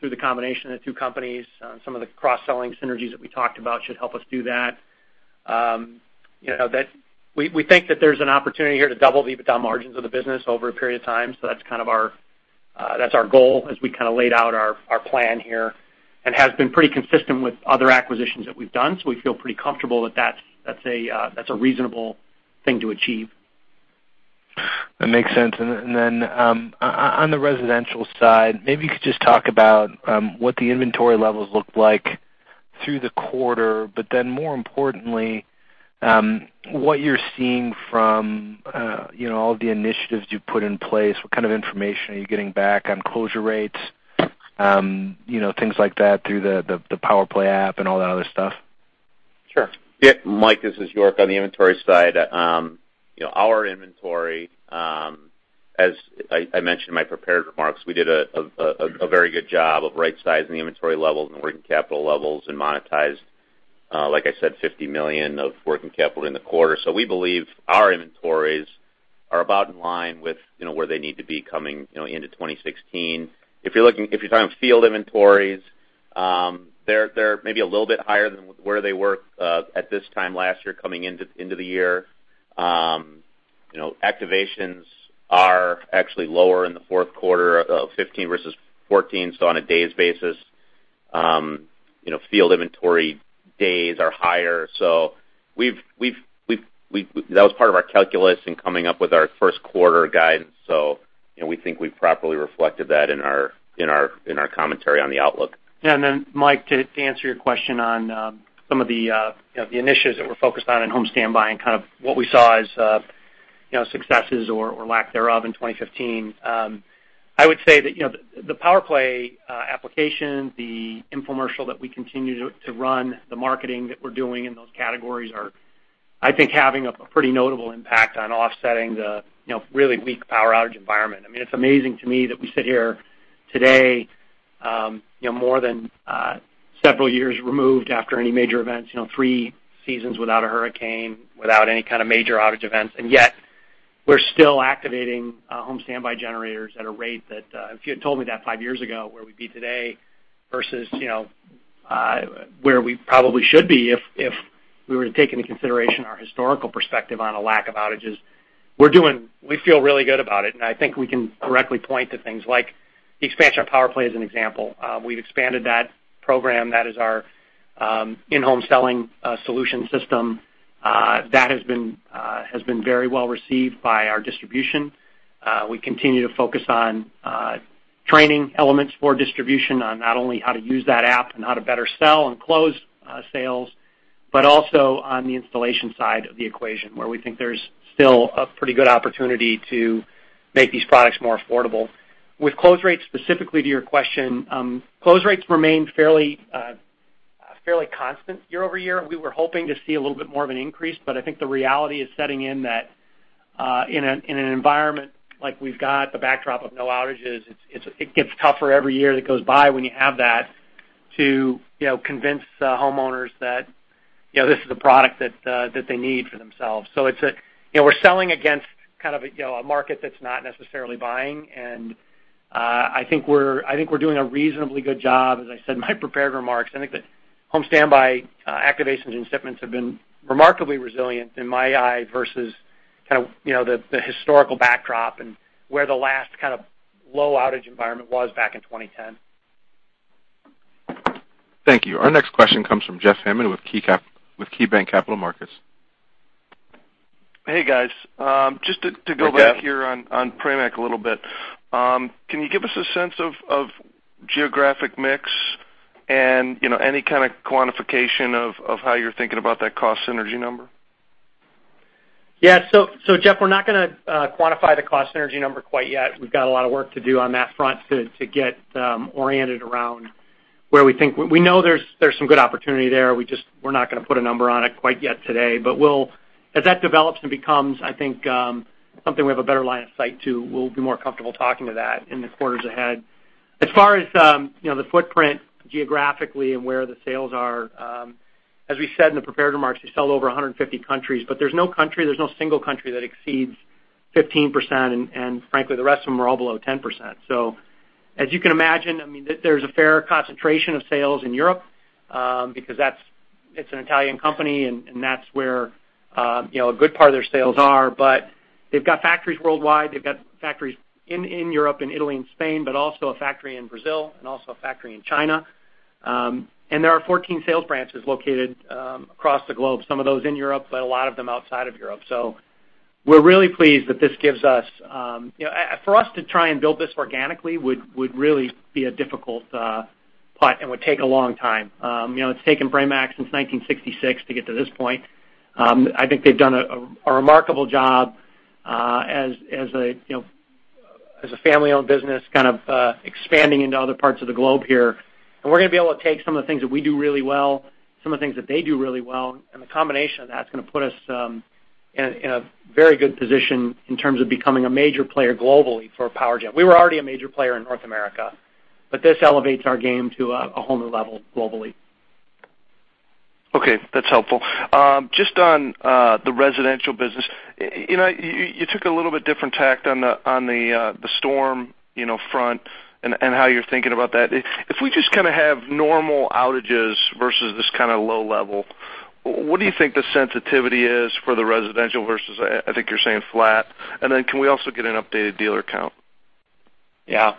through the combination of the two companies. Some of the cross-selling synergies that we talked about should help us do that. We think that there's an opportunity here to double the EBITDA margins of the business over a period of time. That's our goal as we laid out our plan here, and has been pretty consistent with other acquisitions that we've done. We feel pretty comfortable that that's a reasonable thing to achieve. That makes sense. On the residential side, maybe you could just talk about what the inventory levels look like through the quarter, but then more importantly, what you're seeing from all of the initiatives you've put in place. What kind of information are you getting back on closure rates, things like that through the PowerPlay app and all that other stuff? Mike, this is York. On the inventory side, our inventory, as I mentioned in my prepared remarks, we did a very good job of right-sizing the inventory levels and working capital levels and monetized, like I said, $50 million of working capital in the quarter. We believe our inventories are about in line with where they need to be coming into 2016. If you're talking field inventories, they're maybe a little bit higher than where they were at this time last year coming into the year. Activations are actually lower in the fourth quarter of 2015 versus 2014 on a days basis. Field inventory days are higher. That was part of our calculus in coming up with our first quarter guidance. We think we've properly reflected that in our commentary on the outlook. Yeah. Mike, to answer your question on some of the initiatives that we're focused on in home standby and what we saw as successes or lack thereof in 2015. I would say that the PowerPlay application, the infomercial that we continue to run, the marketing that we're doing in those categories are, I think, having a pretty notable impact on offsetting the really weak power outage environment. It's amazing to me that we sit here today, more than several years removed after any major events, three seasons without a hurricane, without any kind of major outage events, and yet we're still activating home standby generators at a rate that, if you had told me that five years ago, where we'd be today versus where we probably should be if we were to take into consideration our historical perspective on a lack of outages. We feel really good about it, and I think we can correctly point to things like the expansion of PowerPlay as an example. We've expanded that program. That is our in-home selling solution system. That has been very well received by our distribution. We continue to focus on training elements for distribution on not only how to use that app and how to better sell and close sales, but also on the installation side of the equation, where we think there's still a pretty good opportunity to make these products more affordable. With close rates, specifically to your question, close rates remain fairly constant year-over-year. We were hoping to see a little bit more of an increase, I think the reality is setting in that in an environment like we've got, the backdrop of no outages, it gets tougher every year that goes by when you have that to convince homeowners that this is a product that they need for themselves. We're selling against kind of a market that's not necessarily buying, and I think we're doing a reasonably good job, as I said in my prepared remarks. I think that home standby activations and shipments have been remarkably resilient in my eye versus the historical backdrop and where the last kind of low outage environment was back in 2010. Thank you. Our next question comes from Jeff Hammond with KeyBanc Capital Markets. Hey, guys. Hey, Jeff. Just to go back here on Pramac a little bit. Can you give us a sense of geographic mix and any kind of quantification of how you're thinking about that cost synergy number? Yeah. Jeff, we're not going to quantify the cost synergy number quite yet. We've got a lot of work to do on that front to get oriented around where we think. We know there's some good opportunity there. We're not going to put a number on it quite yet today. As that develops and becomes, I think, something we have a better line of sight to, we'll be more comfortable talking to that in the quarters ahead. As far as the footprint geographically and where the sales are, as we said in the prepared remarks, we sell to over 150 countries, but there's no single country that exceeds 15%, and frankly, the rest of them are all below 10%. As you can imagine, there's a fair concentration of sales in Europe, because it's an Italian company, and that's where a good part of their sales are. They've got factories worldwide. They've got factories in Europe, in Italy, and Spain, but also a factory in Brazil and also a factory in China. There are 14 sales branches located across the globe, some of those in Europe, but a lot of them outside of Europe. We're really pleased that this gives us. For us to try and build this organically would really be a difficult putt and would take a long time. It's taken Pramac since 1966 to get to this point. I think they've done a remarkable job as a family-owned business kind of expanding into other parts of the globe here. We're going to be able to take some of the things that we do really well, some of the things that they do really well, and the combination of that is going to put us in a very good position in terms of becoming a major player globally for power gen. We were already a major player in North America, this elevates our game to a whole new level globally. Okay. That's helpful. Just on the residential business, you took a little bit different tact on the storm front and how you're thinking about that. If we just have normal outages versus this kind of low level, what do you think the sensitivity is for the residential versus, I think you're saying flat? Can we also get an updated dealer count? Yeah.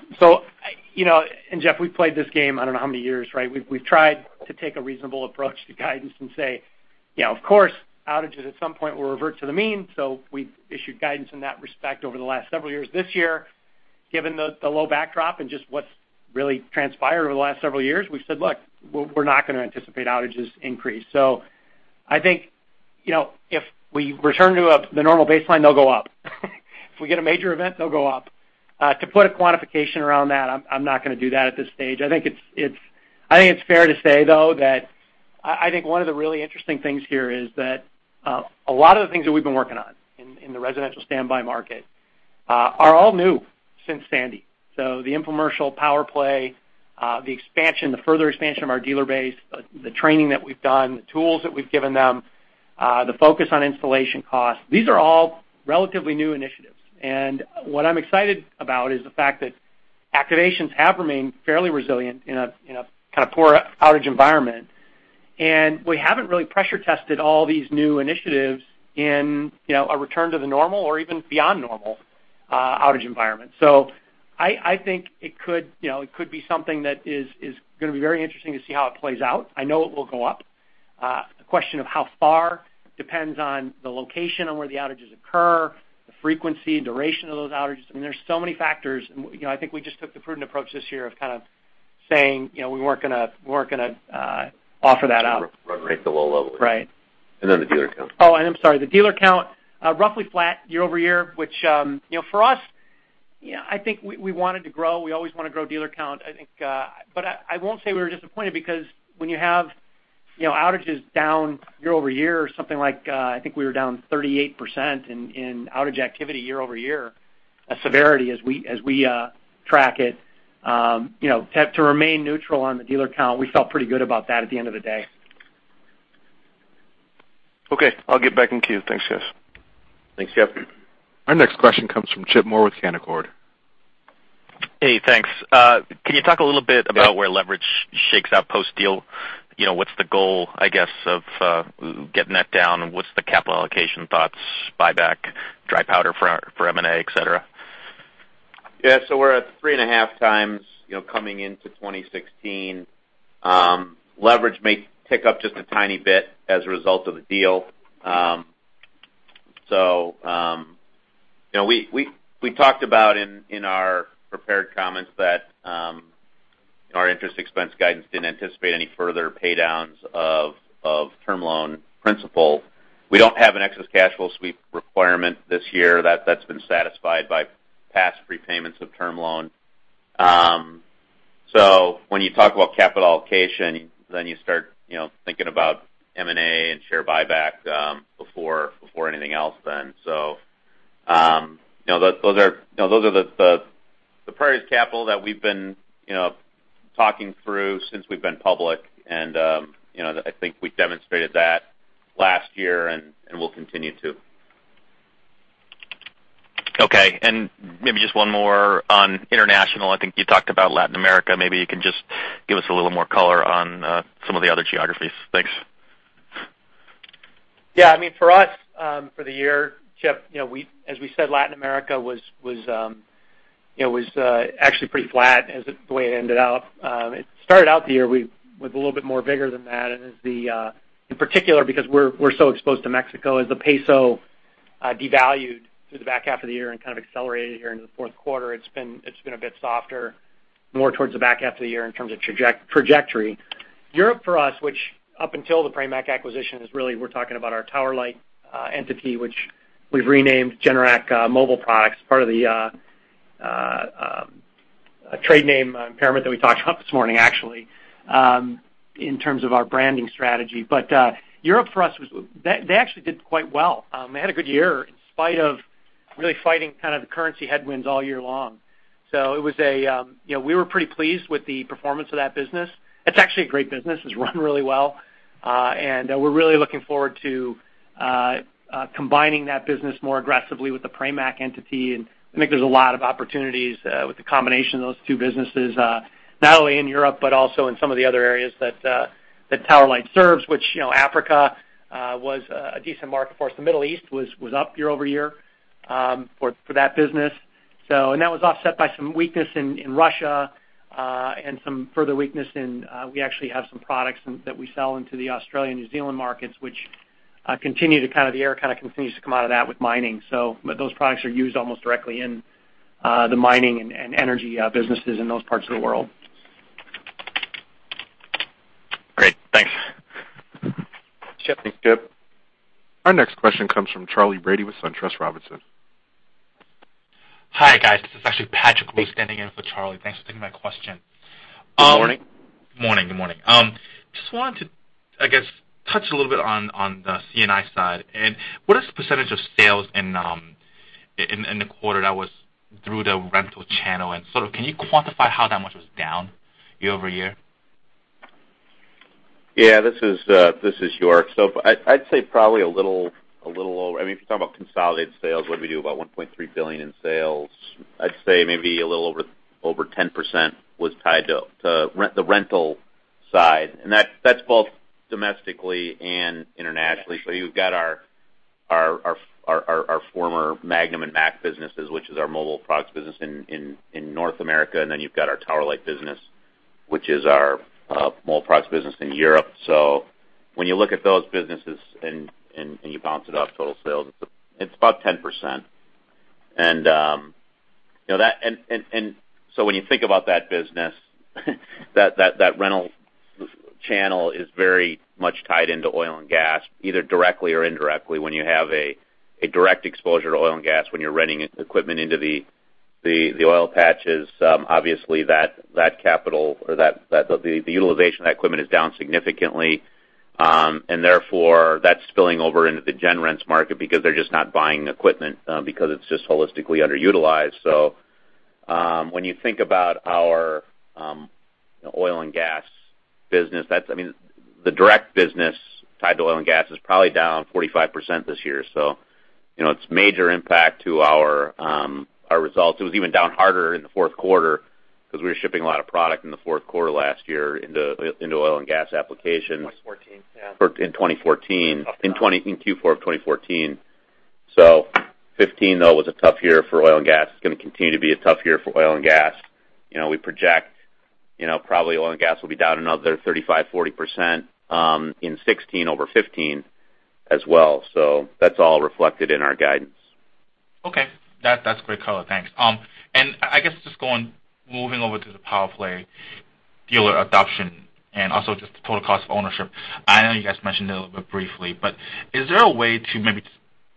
Jeff, we've played this game I don't know how many years, right? We've tried to take a reasonable approach to guidance and say, of course, outages at some point will revert to the mean, we've issued guidance in that respect over the last several years. This year, given the low backdrop and just what's really transpired over the last several years, we've said, "Look, we're not going to anticipate outages increase." I think if we return to the normal baseline, they'll go up. If we get a major event, they'll go up. To put a quantification around that, I'm not going to do that at this stage. I think it's fair to say, though, that I think one of the really interesting things here is that a lot of the things that we've been working on in the residential standby market are all new since Sandy. The infomercial, PowerPlay, the further expansion of our dealer base, the training that we've done, the tools that we've given them, the focus on installation costs, these are all relatively new initiatives. What I'm excited about is the fact that activations have remained fairly resilient in a kind of poor outage environment, and we haven't really pressure tested all these new initiatives in a return to the normal or even beyond normal outage environment. I think it could be something that is going to be very interesting to see how it plays out. I know it will go up. The question of how far depends on the location and where the outages occur, the frequency, duration of those outages. I mean, there's so many factors, I think we just took the prudent approach this year of kind of saying, we weren't going to offer that up. Run rate's a low level. Right. And then the dealer count. I'm sorry. The dealer count, roughly flat year-over-year, which for us, I think we wanted to grow. We always want to grow dealer count. I won't say we were disappointed because when you have outages down year-over-year or something like, I think we were down 38% in outage activity year-over-year, a severity as we track it. To remain neutral on the dealer count, we felt pretty good about that at the end of the day. Okay. I'll get back in queue. Thanks, guys. Thanks, Jeff. Our next question comes from Chip Moore with Canaccord. Hey, thanks. Can you talk a little bit about where leverage shakes out post-deal? What's the goal, I guess, of getting that down? What's the capital allocation thoughts, buyback, dry powder for M&A, et cetera? Yeah. We're at 3.5x, coming into 2016. Leverage may tick up just a tiny bit as a result of the deal. We talked about in our prepared comments that our interest expense guidance didn't anticipate any further pay downs of term loan principal. We don't have an excess cash flow sweep requirement this year. That's been satisfied by past prepayments of term loan. When you talk about capital allocation, then you start thinking about M&A and share buyback before anything else then. Those are the priorities capital that we've been talking through since we've been public, and I think we demonstrated that last year and will continue to. Okay. Maybe just one more on international. I think you talked about Latin America. Maybe you can just give us a little more color on some of the other geographies. Thanks. Yeah. For us, for the year, Chip, as we said, Latin America was actually pretty flat as the way it ended up. It started out the year with a little bit more bigger than that. In particular, because we're so exposed to Mexico, as the peso devalued through the back half of the year and kind of accelerated here into the fourth quarter, it's been a bit softer more towards the back half of the year in terms of trajectory. Europe for us, which up until the Pramac acquisition is really, we're talking about our Tower Light entity, which we've renamed Generac Mobile Products, part of the trade name impairment that we talked about this morning, actually, in terms of our branding strategy. Europe for us, they actually did quite well. They had a good year in spite of really fighting kind of the currency headwinds all year long. We were pretty pleased with the performance of that business. It's actually a great business. It's run really well. We're really looking forward to combining that business more aggressively with the Pramac entity. I think there's a lot of opportunities with the combination of those two businesses, not only in Europe, but also in some of the other areas that Tower Light serves, which Africa was a decent market for us. The Middle East was up year-over-year for that business. That was offset by some weakness in Russia, and some further weakness in, we actually have some products that we sell into the Australian, New Zealand markets, which the air kind of continues to come out of that with mining. Those products are used almost directly in the mining and energy businesses in those parts of the world. Great. Thanks. Thanks, Chip. Our next question comes from Charley Brady with SunTrust Robinson. Hi, guys. This is actually Patrick Wu standing in for Charley. Thanks for taking my question. Good morning. Morning. Good morning. Just wanted to, I guess, touch a little bit on the C&I side. What is the percentage of sales in the quarter that was through the rental channel? Can you quantify how that much was down year-over-year? Yeah. This is York. I'd say probably a little over. If you talk about consolidated sales, what do we do, about $1.3 billion in sales? I'd say maybe a little over 10% was tied to the rental side. That's both domestically and internationally. You've got our former Magnum and MAC businesses, which is our mobile products business in North America. Then you've got our Tower Light business, which is our mobile products business in Europe. When you look at those businesses and you bounce it off total sales, it's about 10%. When you think about that business, that rental channel is very much tied into oil and gas, either directly or indirectly. When you have a direct exposure to oil and gas, when you're renting equipment into the oil patches, obviously the utilization of that equipment is down significantly. Therefore, that's spilling over into the gen rents market because they're just not buying equipment because it's just holistically underutilized. When you think about our oil and gas business, the direct business tied to oil and gas is probably down 45% this year. It's major impact to our results. It was even down harder in the fourth quarter because we were shipping a lot of product in the fourth quarter last year into oil and gas applications. 2014, yeah. In 2014. Tough time. In Q4 of 2014. 2015, though, was a tough year for oil and gas. It's going to continue to be a tough year for oil and gas. We project probably oil and gas will be down another 35%-40% in 2016 over 2015 as well. That's all reflected in our guidance. Okay. That's great color. Thanks. I guess just moving over to the PowerPlay dealer adoption and also just the total cost of ownership. I know you guys mentioned it a little bit briefly, but is there a way to maybe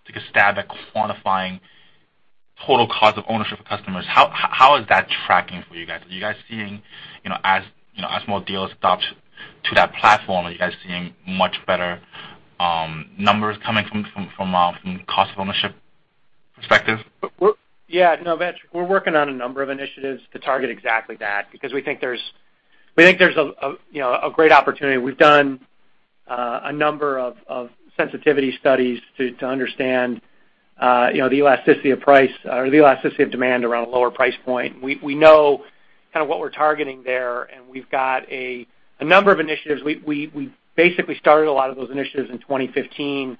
take a stab at quantifying total cost of ownership for customers? How is that tracking for you guys? Are you guys seeing, as more dealers adopt to that platform, are you guys seeing much better numbers coming from a cost of ownership perspective? Yeah, you bet, we're working on a number of initiatives to target exactly that, because we think there's a great opportunity. We've done a number of sensitivity studies to understand the elasticity of price or the elasticity of demand around a lower price point. We know kind of what we're targeting there, and we've got a number of initiatives. We basically started a lot of those initiatives in 2015.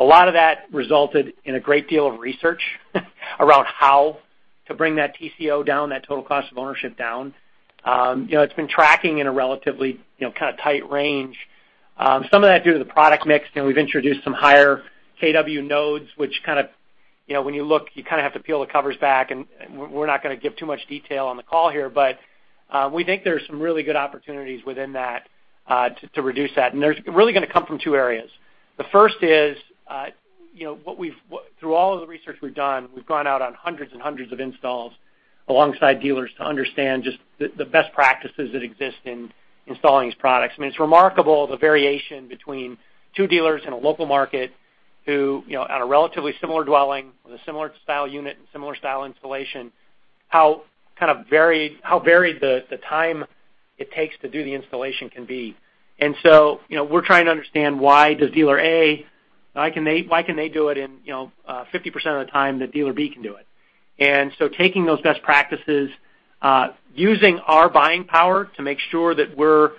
A lot of that resulted in a great deal of research around how to bring that TCO down, that total cost of ownership down. It's been tracking in a relatively tight range. Some of that due to the product mix, we've introduced some higher kW nodes, which kind of, when you look, you kind of have to peel the covers back, and we're not going to give too much detail on the call here. We think there's some really good opportunities within that to reduce that. They're really going to come from two areas. The first is, through all of the research we've done, we've gone out on hundreds and hundreds of installs alongside dealers to understand just the best practices that exist in installing these products. It's remarkable the variation between two dealers in a local market who, on a relatively similar dwelling, with a similar style unit and similar style installation, how varied the time it takes to do the installation can be. We're trying to understand why does dealer A, why can they do it in 50% of the time that dealer B can do it? Taking those best practices, using our buying power to make sure that we're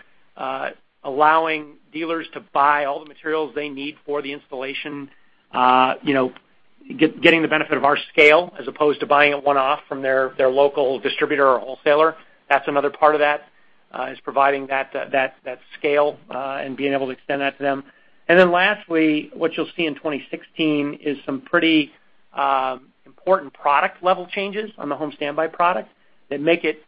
allowing dealers to buy all the materials they need for the installation, getting the benefit of our scale as opposed to buying it one-off from their local distributor or wholesaler. That's another part of that, is providing that scale, and being able to extend that to them. Lastly, what you'll see in 2016 is some pretty important product level changes on the home standby product that make it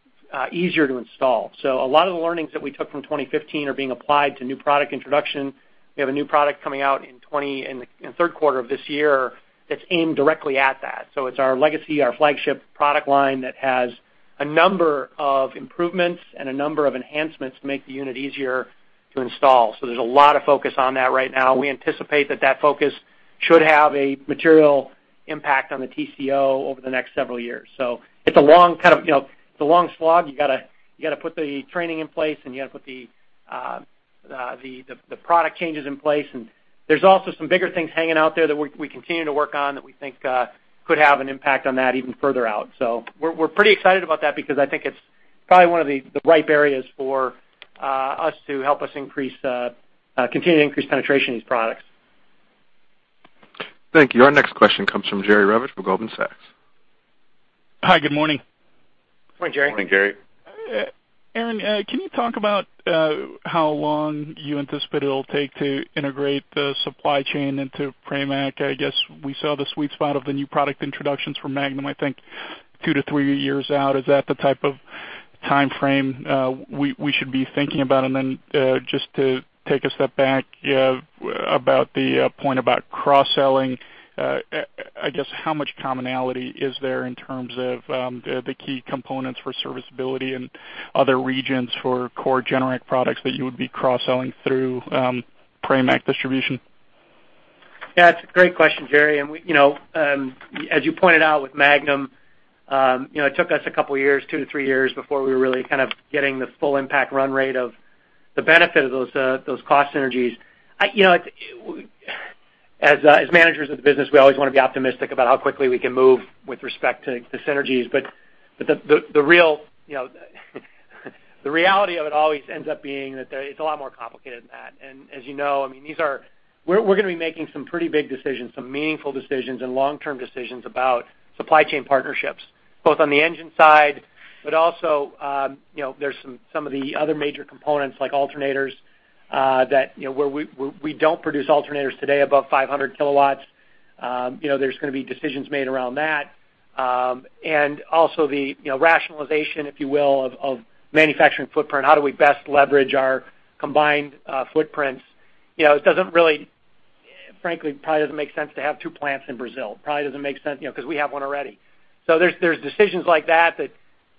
easier to install. A lot of the learnings that we took from 2015 are being applied to new product introduction. We have a new product coming out in the third quarter of this year that's aimed directly at that. It's our legacy, our flagship product line that has a number of improvements and a number of enhancements to make the unit easier to install. There's a lot of focus on that right now. We anticipate that focus should have a material impact on the TCO over the next several years. It's a long slog. You got to put the training in place, and you got to put the product changes in place. There's also some bigger things hanging out there that we continue to work on that we think could have an impact on that even further out. We're pretty excited about that because I think it's probably one of the ripe areas for us to help us continue to increase penetration of these products. Thank you. Our next question comes from Jerry Revich with Goldman Sachs. Hi, good morning. Good morning, Jerry. Morning, Jerry. Aaron, can you talk about how long you anticipate it'll take to integrate the supply chain into Pramac? I guess we saw the sweet spot of the new product introductions from Magnum, I think two to three years out. Is that the type of timeframe we should be thinking about? Then, just to take a step back, about the point about cross-selling, I guess how much commonality is there in terms of the key components for serviceability and other regions for core Generac products that you would be cross-selling through Pramac distribution? Yeah, it's a great question, Jerry. As you pointed out with Magnum, it took us a couple of years, two to three years before we were really kind of getting the full impact run rate of the benefit of those cost synergies. As managers of the business, we always want to be optimistic about how quickly we can move with respect to synergies. The reality of it always ends up being that it's a lot more complicated than that. As you know, we're going to be making some pretty big decisions, some meaningful decisions and long-term decisions about supply chain partnerships, both on the engine side, but also, there's some of the other major components like alternators that we don't produce alternators today above 500 kW. There's going to be decisions made around that. Also the rationalization, if you will, of manufacturing footprint. How do we best leverage our combined footprints? It frankly probably doesn't make sense to have two plants in Brazil. Probably doesn't make sense, because we have one already. There's decisions like that that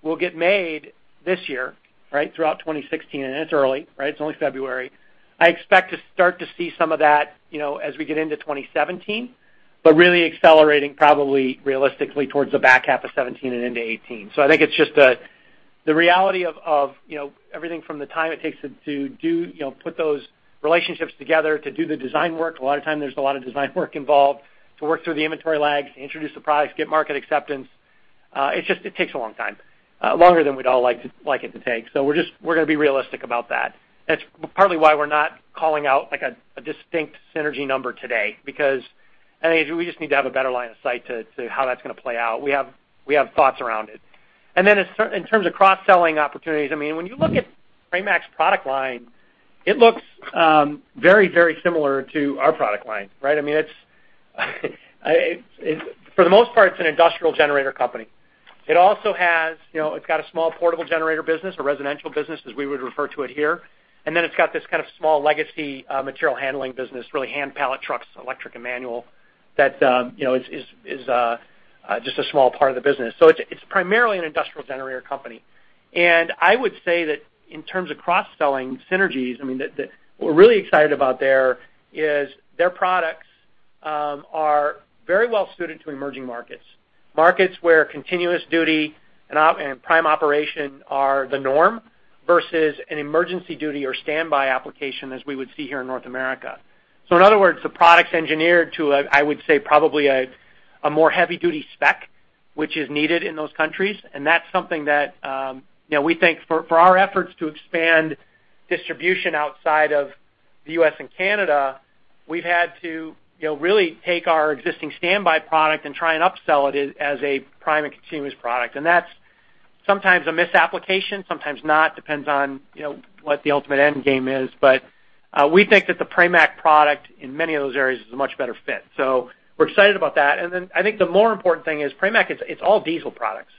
will get made this year, right, throughout 2016, it's early, right? It's only February. I expect to start to see some of that as we get into 2017, but really accelerating probably realistically towards the back half of 2017 and into 2018. I think it's just the reality of everything from the time it takes to put those relationships together, to do the design work, a lot of time there's a lot of design work involved, to work through the inventory lags, introduce the products, get market acceptance. It just takes a long time. Longer than we'd all like it to take. We're going to be realistic about that. That's partly why we're not calling out a distinct synergy number today, because I think we just need to have a better line of sight to how that's going to play out. We have thoughts around it. Then in terms of cross-selling opportunities, when you look at Pramac's product line, it looks very similar to our product line, right? For the most part, it's an industrial generator company. It's got a small portable generator business, a residential business as we would refer to it here, and then it's got this kind of small legacy material handling business, really hand pallet trucks, electric and manual, that is just a small part of the business. It's primarily an industrial generator company. I would say that in terms of cross-selling synergies, what we're really excited about there is their products are very well suited to emerging markets. Markets where continuous duty and prime operation are the norm versus an emergency duty or standby application as we would see here in North America. In other words, the product's engineered to, I would say, probably a more heavy duty spec, which is needed in those countries. That's something that we think for our efforts to expand distribution outside of the U.S. and Canada, we've had to really take our existing standby product and try and upsell it as a prime and continuous product. That's sometimes a misapplication, sometimes not, depends on what the ultimate end game is. We think that the Pramac product in many of those areas is a much better fit. We're excited about that. Then I think the more important thing is Pramac, it's all diesel products.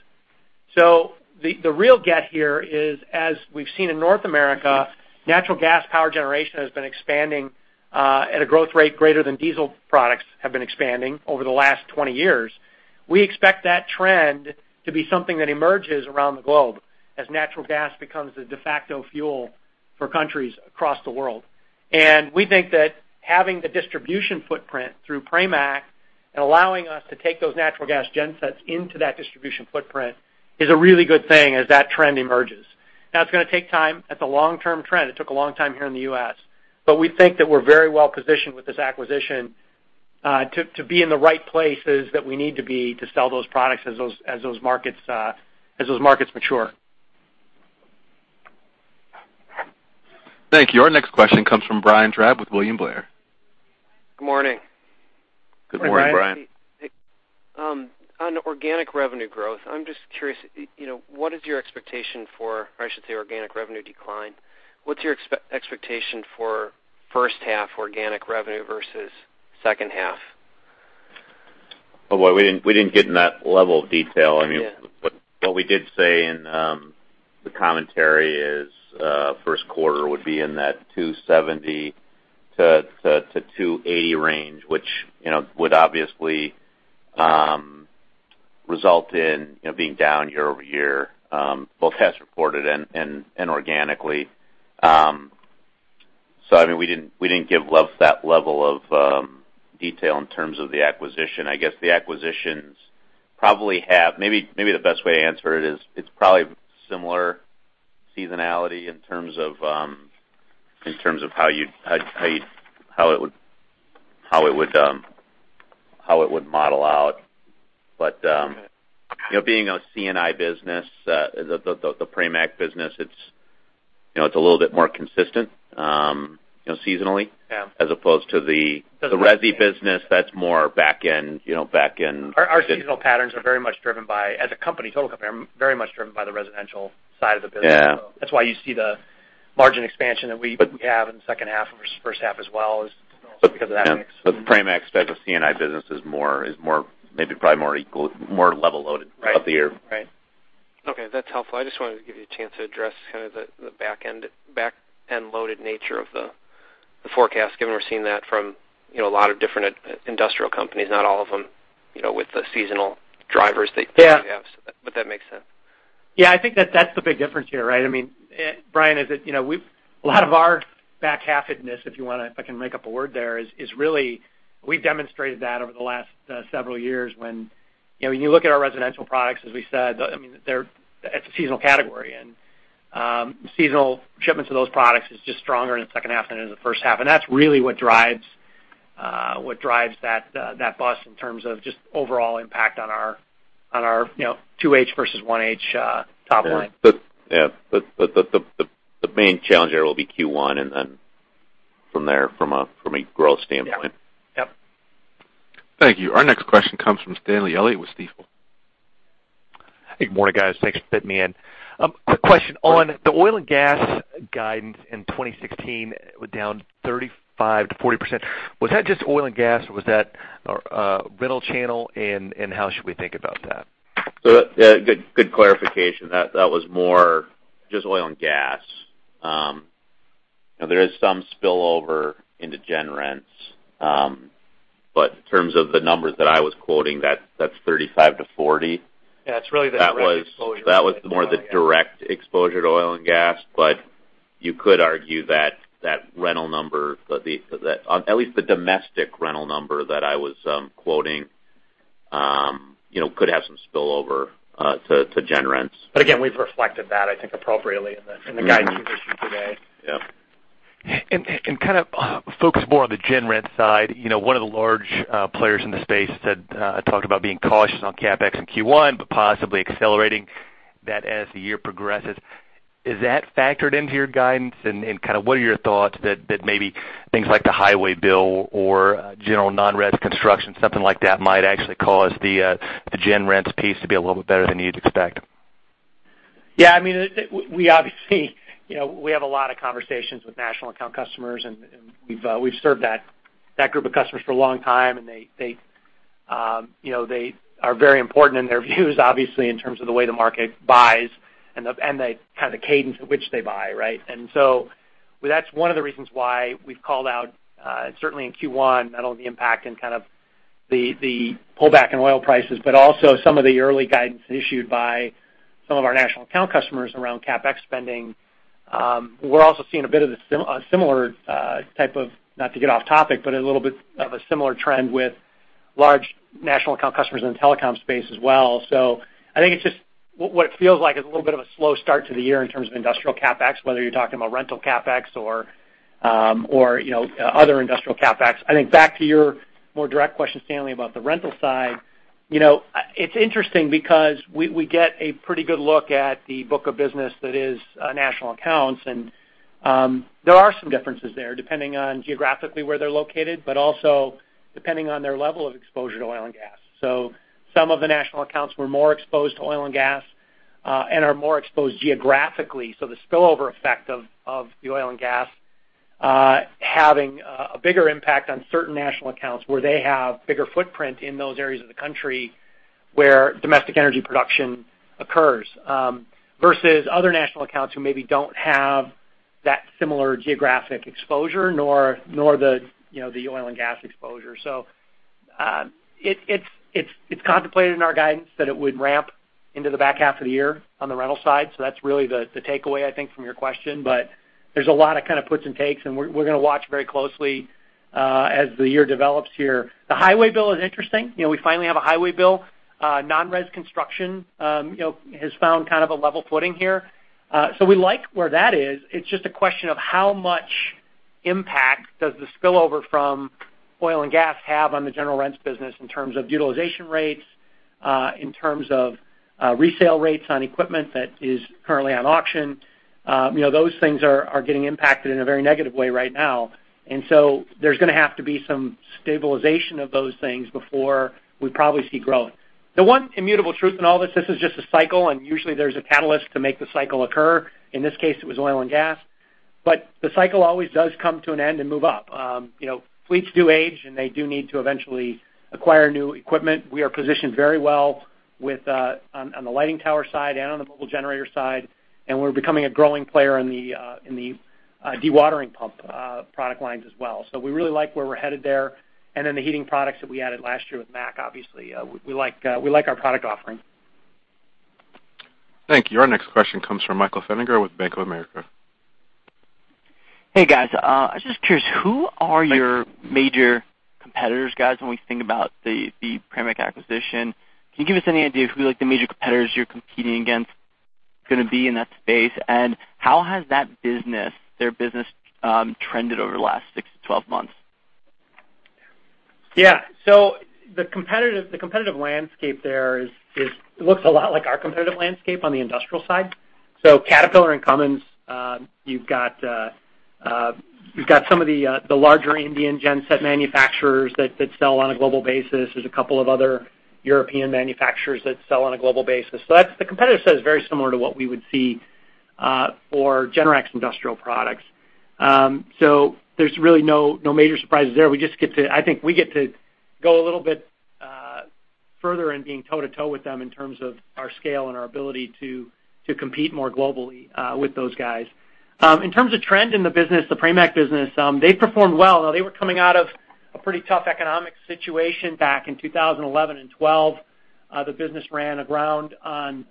The real get here is, as we've seen in North America, natural gas power generation has been expanding at a growth rate greater than diesel products have been expanding over the last 20 years. We expect that trend to be something that emerges around the globe as natural gas becomes the de facto fuel for countries across the world. We think that having the distribution footprint through Pramac and allowing us to take those natural gas gensets into that distribution footprint is a really good thing as that trend emerges. It's going to take time. That's a long-term trend. It took a long time here in the U.S., we think that we're very well positioned with this acquisition to be in the right places that we need to be to sell those products as those markets mature. Thank you. Our next question comes from Brian Drab with William Blair. Good morning. Good morning, Brian. Good morning, Brian. On organic revenue growth, I'm just curious, what is your expectation for, or I should say organic revenue decline, what's your expectation for first half organic revenue versus second half? Well, we didn't get in that level of detail. Yeah. What we did say in the commentary is first quarter would be in that $270 million-$280 million range, which would obviously result in being down year-over-year, both as reported and organically. We didn't give that level of detail in terms of the acquisition. Maybe the best way to answer it is it's probably similar seasonality in terms of how it would model out. Okay. Being a C&I business, the Pramac business, it's a little bit more consistent seasonally. Yeah. As opposed to the resi business, that's more back end. Our seasonal patterns are very much driven by, as a company, total company, are very much driven by the residential side of the business. Yeah. That's why you see the margin expansion that we have in the second half versus first half as well is also because of that mix. The Pramac side of C&I business is maybe probably more level loaded throughout the year. Right. Okay. That's helpful. I just wanted to give you a chance to address kind of the back end loaded nature of the forecast, given we're seeing that from a lot of different industrial companies, not all of them with the seasonal drivers that you have. Yeah. That makes sense. Yeah, I think that that's the big difference here, right? Brian, a lot of our back halfedness, if I can make up a word there, is really, we've demonstrated that over the last several years when you look at our residential products, as we said, it's a seasonal category. Seasonal shipments of those products is just stronger in the second half than in the first half. That's really what drives that bus in terms of just overall impact on our 2H versus 1H top line. Yeah. The main challenge there will be Q1, then from there, from a growth standpoint. Yeah. Thank you. Our next question comes from Stanley Elliott with Stifel. Hey, good morning, guys. Thanks for fitting me in. Quick question. On the oil and gas guidance in 2016, it was down 35%-40%. Was that just oil and gas or was that rental channel, and how should we think about that? Good clarification. That was more just oil and gas. There is some spillover into gen rents. In terms of the numbers that I was quoting, that's 35%-40%. Yeah, it's really the direct exposure. That was more the direct exposure to oil and gas. You could argue that rental number, at least the domestic rental number that I was quoting could have some spillover to gen rents. We've reflected that, I think, appropriately in the guidance we issued today. Yeah. Kind of focus more on the gen rent side. One of the large players in the space said, talked about being cautious on CapEx in Q1, but possibly accelerating that as the year progresses. Is that factored into your guidance? What are your thoughts that maybe things like the highway bill or general non-res construction, something like that might actually cause the gen rents piece to be a little bit better than you'd expect? Yeah. We obviously have a lot of conversations with national account customers, and we've served that group of customers for a long time, and they are very important in their views, obviously, in terms of the way the market buys and the kind of cadence at which they buy, right? That's one of the reasons why we've called out, certainly in Q1, not only the impact and kind of the pullback in oil prices, but also some of the early guidance issued by some of our national account customers around CapEx spending. We're also seeing a bit of a similar type of, not to get off topic, but a little bit of a similar trend with large national account customers in the telecom space as well. I think it's just what it feels like is a little bit of a slow start to the year in terms of industrial CapEx, whether you're talking about rental CapEx or other industrial CapEx. I think back to your more direct question, Stanley, about the rental side. It's interesting because we get a pretty good look at the book of business that is national accounts, and there are some differences there, depending on geographically where they're located, but also depending on their level of exposure to oil and gas. Some of the national accounts were more exposed to oil and gas, and are more exposed geographically. The spillover effect of the oil and gas having a bigger impact on certain national accounts where they have bigger footprint in those areas of the country where domestic energy production occurs, versus other national accounts who maybe don't have that similar geographic exposure, nor the oil and gas exposure. It's contemplated in our guidance that it would ramp into the back half of the year on the rental side. That's really the takeaway, I think, from your question, but there's a lot of kind of puts and takes, and we're going to watch very closely, as the year develops here. The highway bill is interesting. We finally have a highway bill. Non-res construction has found kind of a level footing here. We like where that is. It's just a question of how much impact does the spillover from oil and gas have on the general rents business in terms of utilization rates, in terms of resale rates on equipment that is currently on auction. Those things are getting impacted in a very negative way right now, and there's going to have to be some stabilization of those things before we probably see growth. The one immutable truth in all this is just a cycle, and usually there's a catalyst to make the cycle occur. In this case, it was oil and gas. The cycle always does come to an end and move up. Fleets do age, and they do need to eventually acquire new equipment. We are positioned very well on the lighting tower side and on the mobile generator side, and we're becoming a growing player in the dewatering pump product lines as well. We really like where we're headed there. The heating products that we added last year with MAC, obviously, we like our product offering. Thank you. Our next question comes from Michael Feniger with Bank of America. Hey, guys. I'm just curious, who are your major competitors, guys, when we think about the Pramac acquisition? Can you give us any idea of who the major competitors you're competing against going to be in that space, and how has their business trended over the last 6-12 months? Yeah. The competitive landscape there looks a lot like our competitive landscape on the industrial side. Caterpillar and Cummins, you've got some of the larger Indian genset manufacturers that sell on a global basis. There's a couple of other European manufacturers that sell on a global basis. The competitive set is very similar to what we would see for Generac's industrial products. There's really no major surprises there. I think we get to go a little bit further in being toe-to-toe with them in terms of our scale and our ability to compete more globally with those guys. In terms of trend in the business, the Pramac business, they performed well. They were coming out of a pretty tough economic situation back in 2011 and 2012. The business ran aground on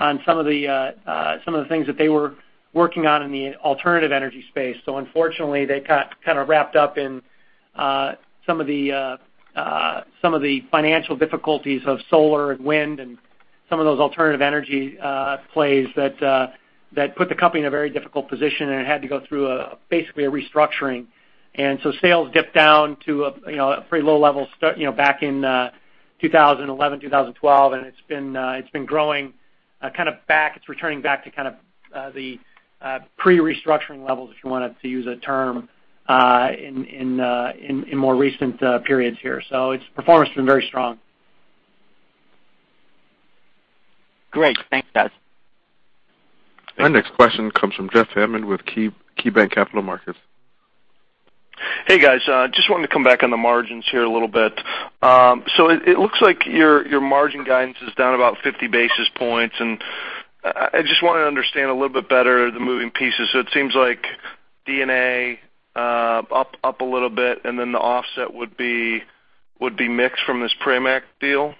some of the things that they were working on in the alternative energy space. Unfortunately, they got kind of wrapped up in some of the financial difficulties of solar and wind and some of those alternative energy plays that put the company in a very difficult position, and it had to go through basically a restructuring. Sales dipped down to a pretty low level back in 2011, 2012, and it's been growing kind of back. It's returning back to kind of the pre-restructuring levels, if you wanted to use that term, in more recent periods here. Its performance has been very strong. Great. Thanks, guys. Our next question comes from Jeff Hammond with KeyBanc Capital Markets. Hey, guys. Just wanted to come back on the margins here a little bit. It looks like your margin guidance is down about 50 basis points, and I just wanted to understand a little bit better the moving pieces. It seems like D&A up a little bit, and then the offset would be mixed from this Pramac deal?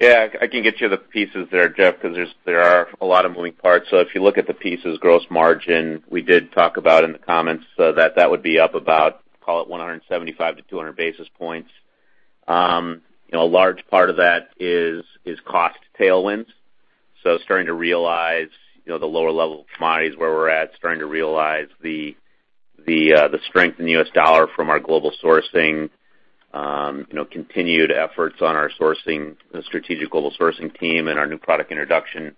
Yeah. I can get you the pieces there, Jeff, because there are a lot of moving parts. If you look at the pieces, gross margin, we did talk about in the comments that that would be up about, call it 175 basis points-200 basis points. A large part of that is cost tailwinds. Starting to realize the lower level of commodities where we're at, starting to realize the strength in the U.S. dollar from our global sourcing, continued efforts on our strategic global sourcing team and our new product introduction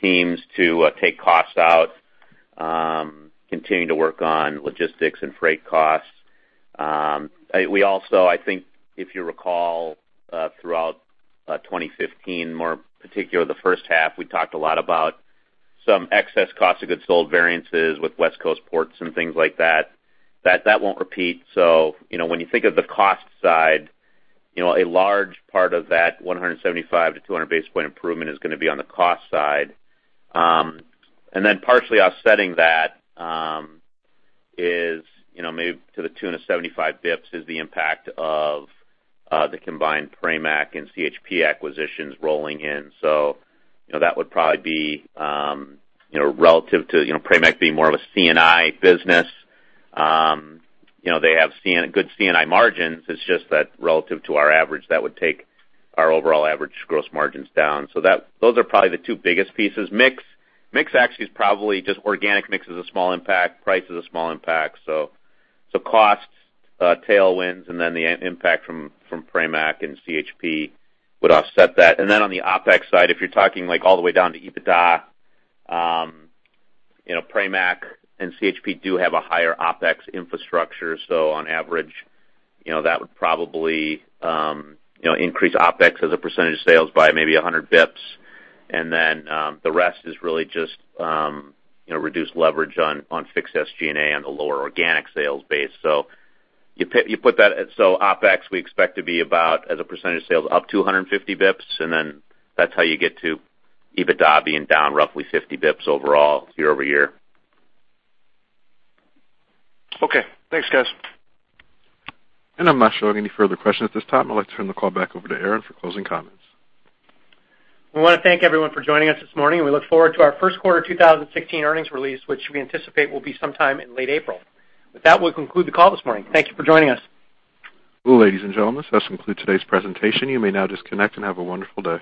teams to take costs out, continuing to work on logistics and freight costs. We also, I think if you recall, throughout 2015, more particular the first half, we talked a lot about some excess cost of goods sold variances with West Coast ports and things like that. That won't repeat. When you think of the cost side, a large part of that 175 basispoints-200 basis point improvement is going to be on the cost side. Partially offsetting that is maybe to the tune of 75 bps, is the impact of the combined Pramac and CHP acquisitions rolling in. That would probably be relative to Pramac being more of a C&I business. They have good C&I margins. It's just that relative to our average, that would take our overall average gross margins down. Those are probably the two biggest pieces. Mix actually is probably just organic mix is a small impact. Price is a small impact. Costs, tailwinds, and then the impact from Pramac and CHP would offset that. On the OpEx side, if you're talking all the way down to EBITDA, Pramac and CHP do have a higher OpEx infrastructure. On average, that would probably increase OpEx as a percentage of sales by maybe 100 bps. The rest is really just reduced leverage on fixed SG&A on the lower organic sales base. You put that so OpEx we expect to be about, as a percentage of sales, up 250 bps, and that's how you get to EBITDA being down roughly 50 bps overall year-over-year. Okay, thanks guys. I'm not showing any further questions at this time. I'd like to turn the call back over to Aaron for closing comments. We want to thank everyone for joining us this morning, and we look forward to our first quarter 2016 earnings release, which we anticipate will be sometime in late April. With that, we'll conclude the call this morning. Thank you for joining us. Ladies and gentlemen, this concludes today's presentation. You may now disconnect, and have a wonderful day.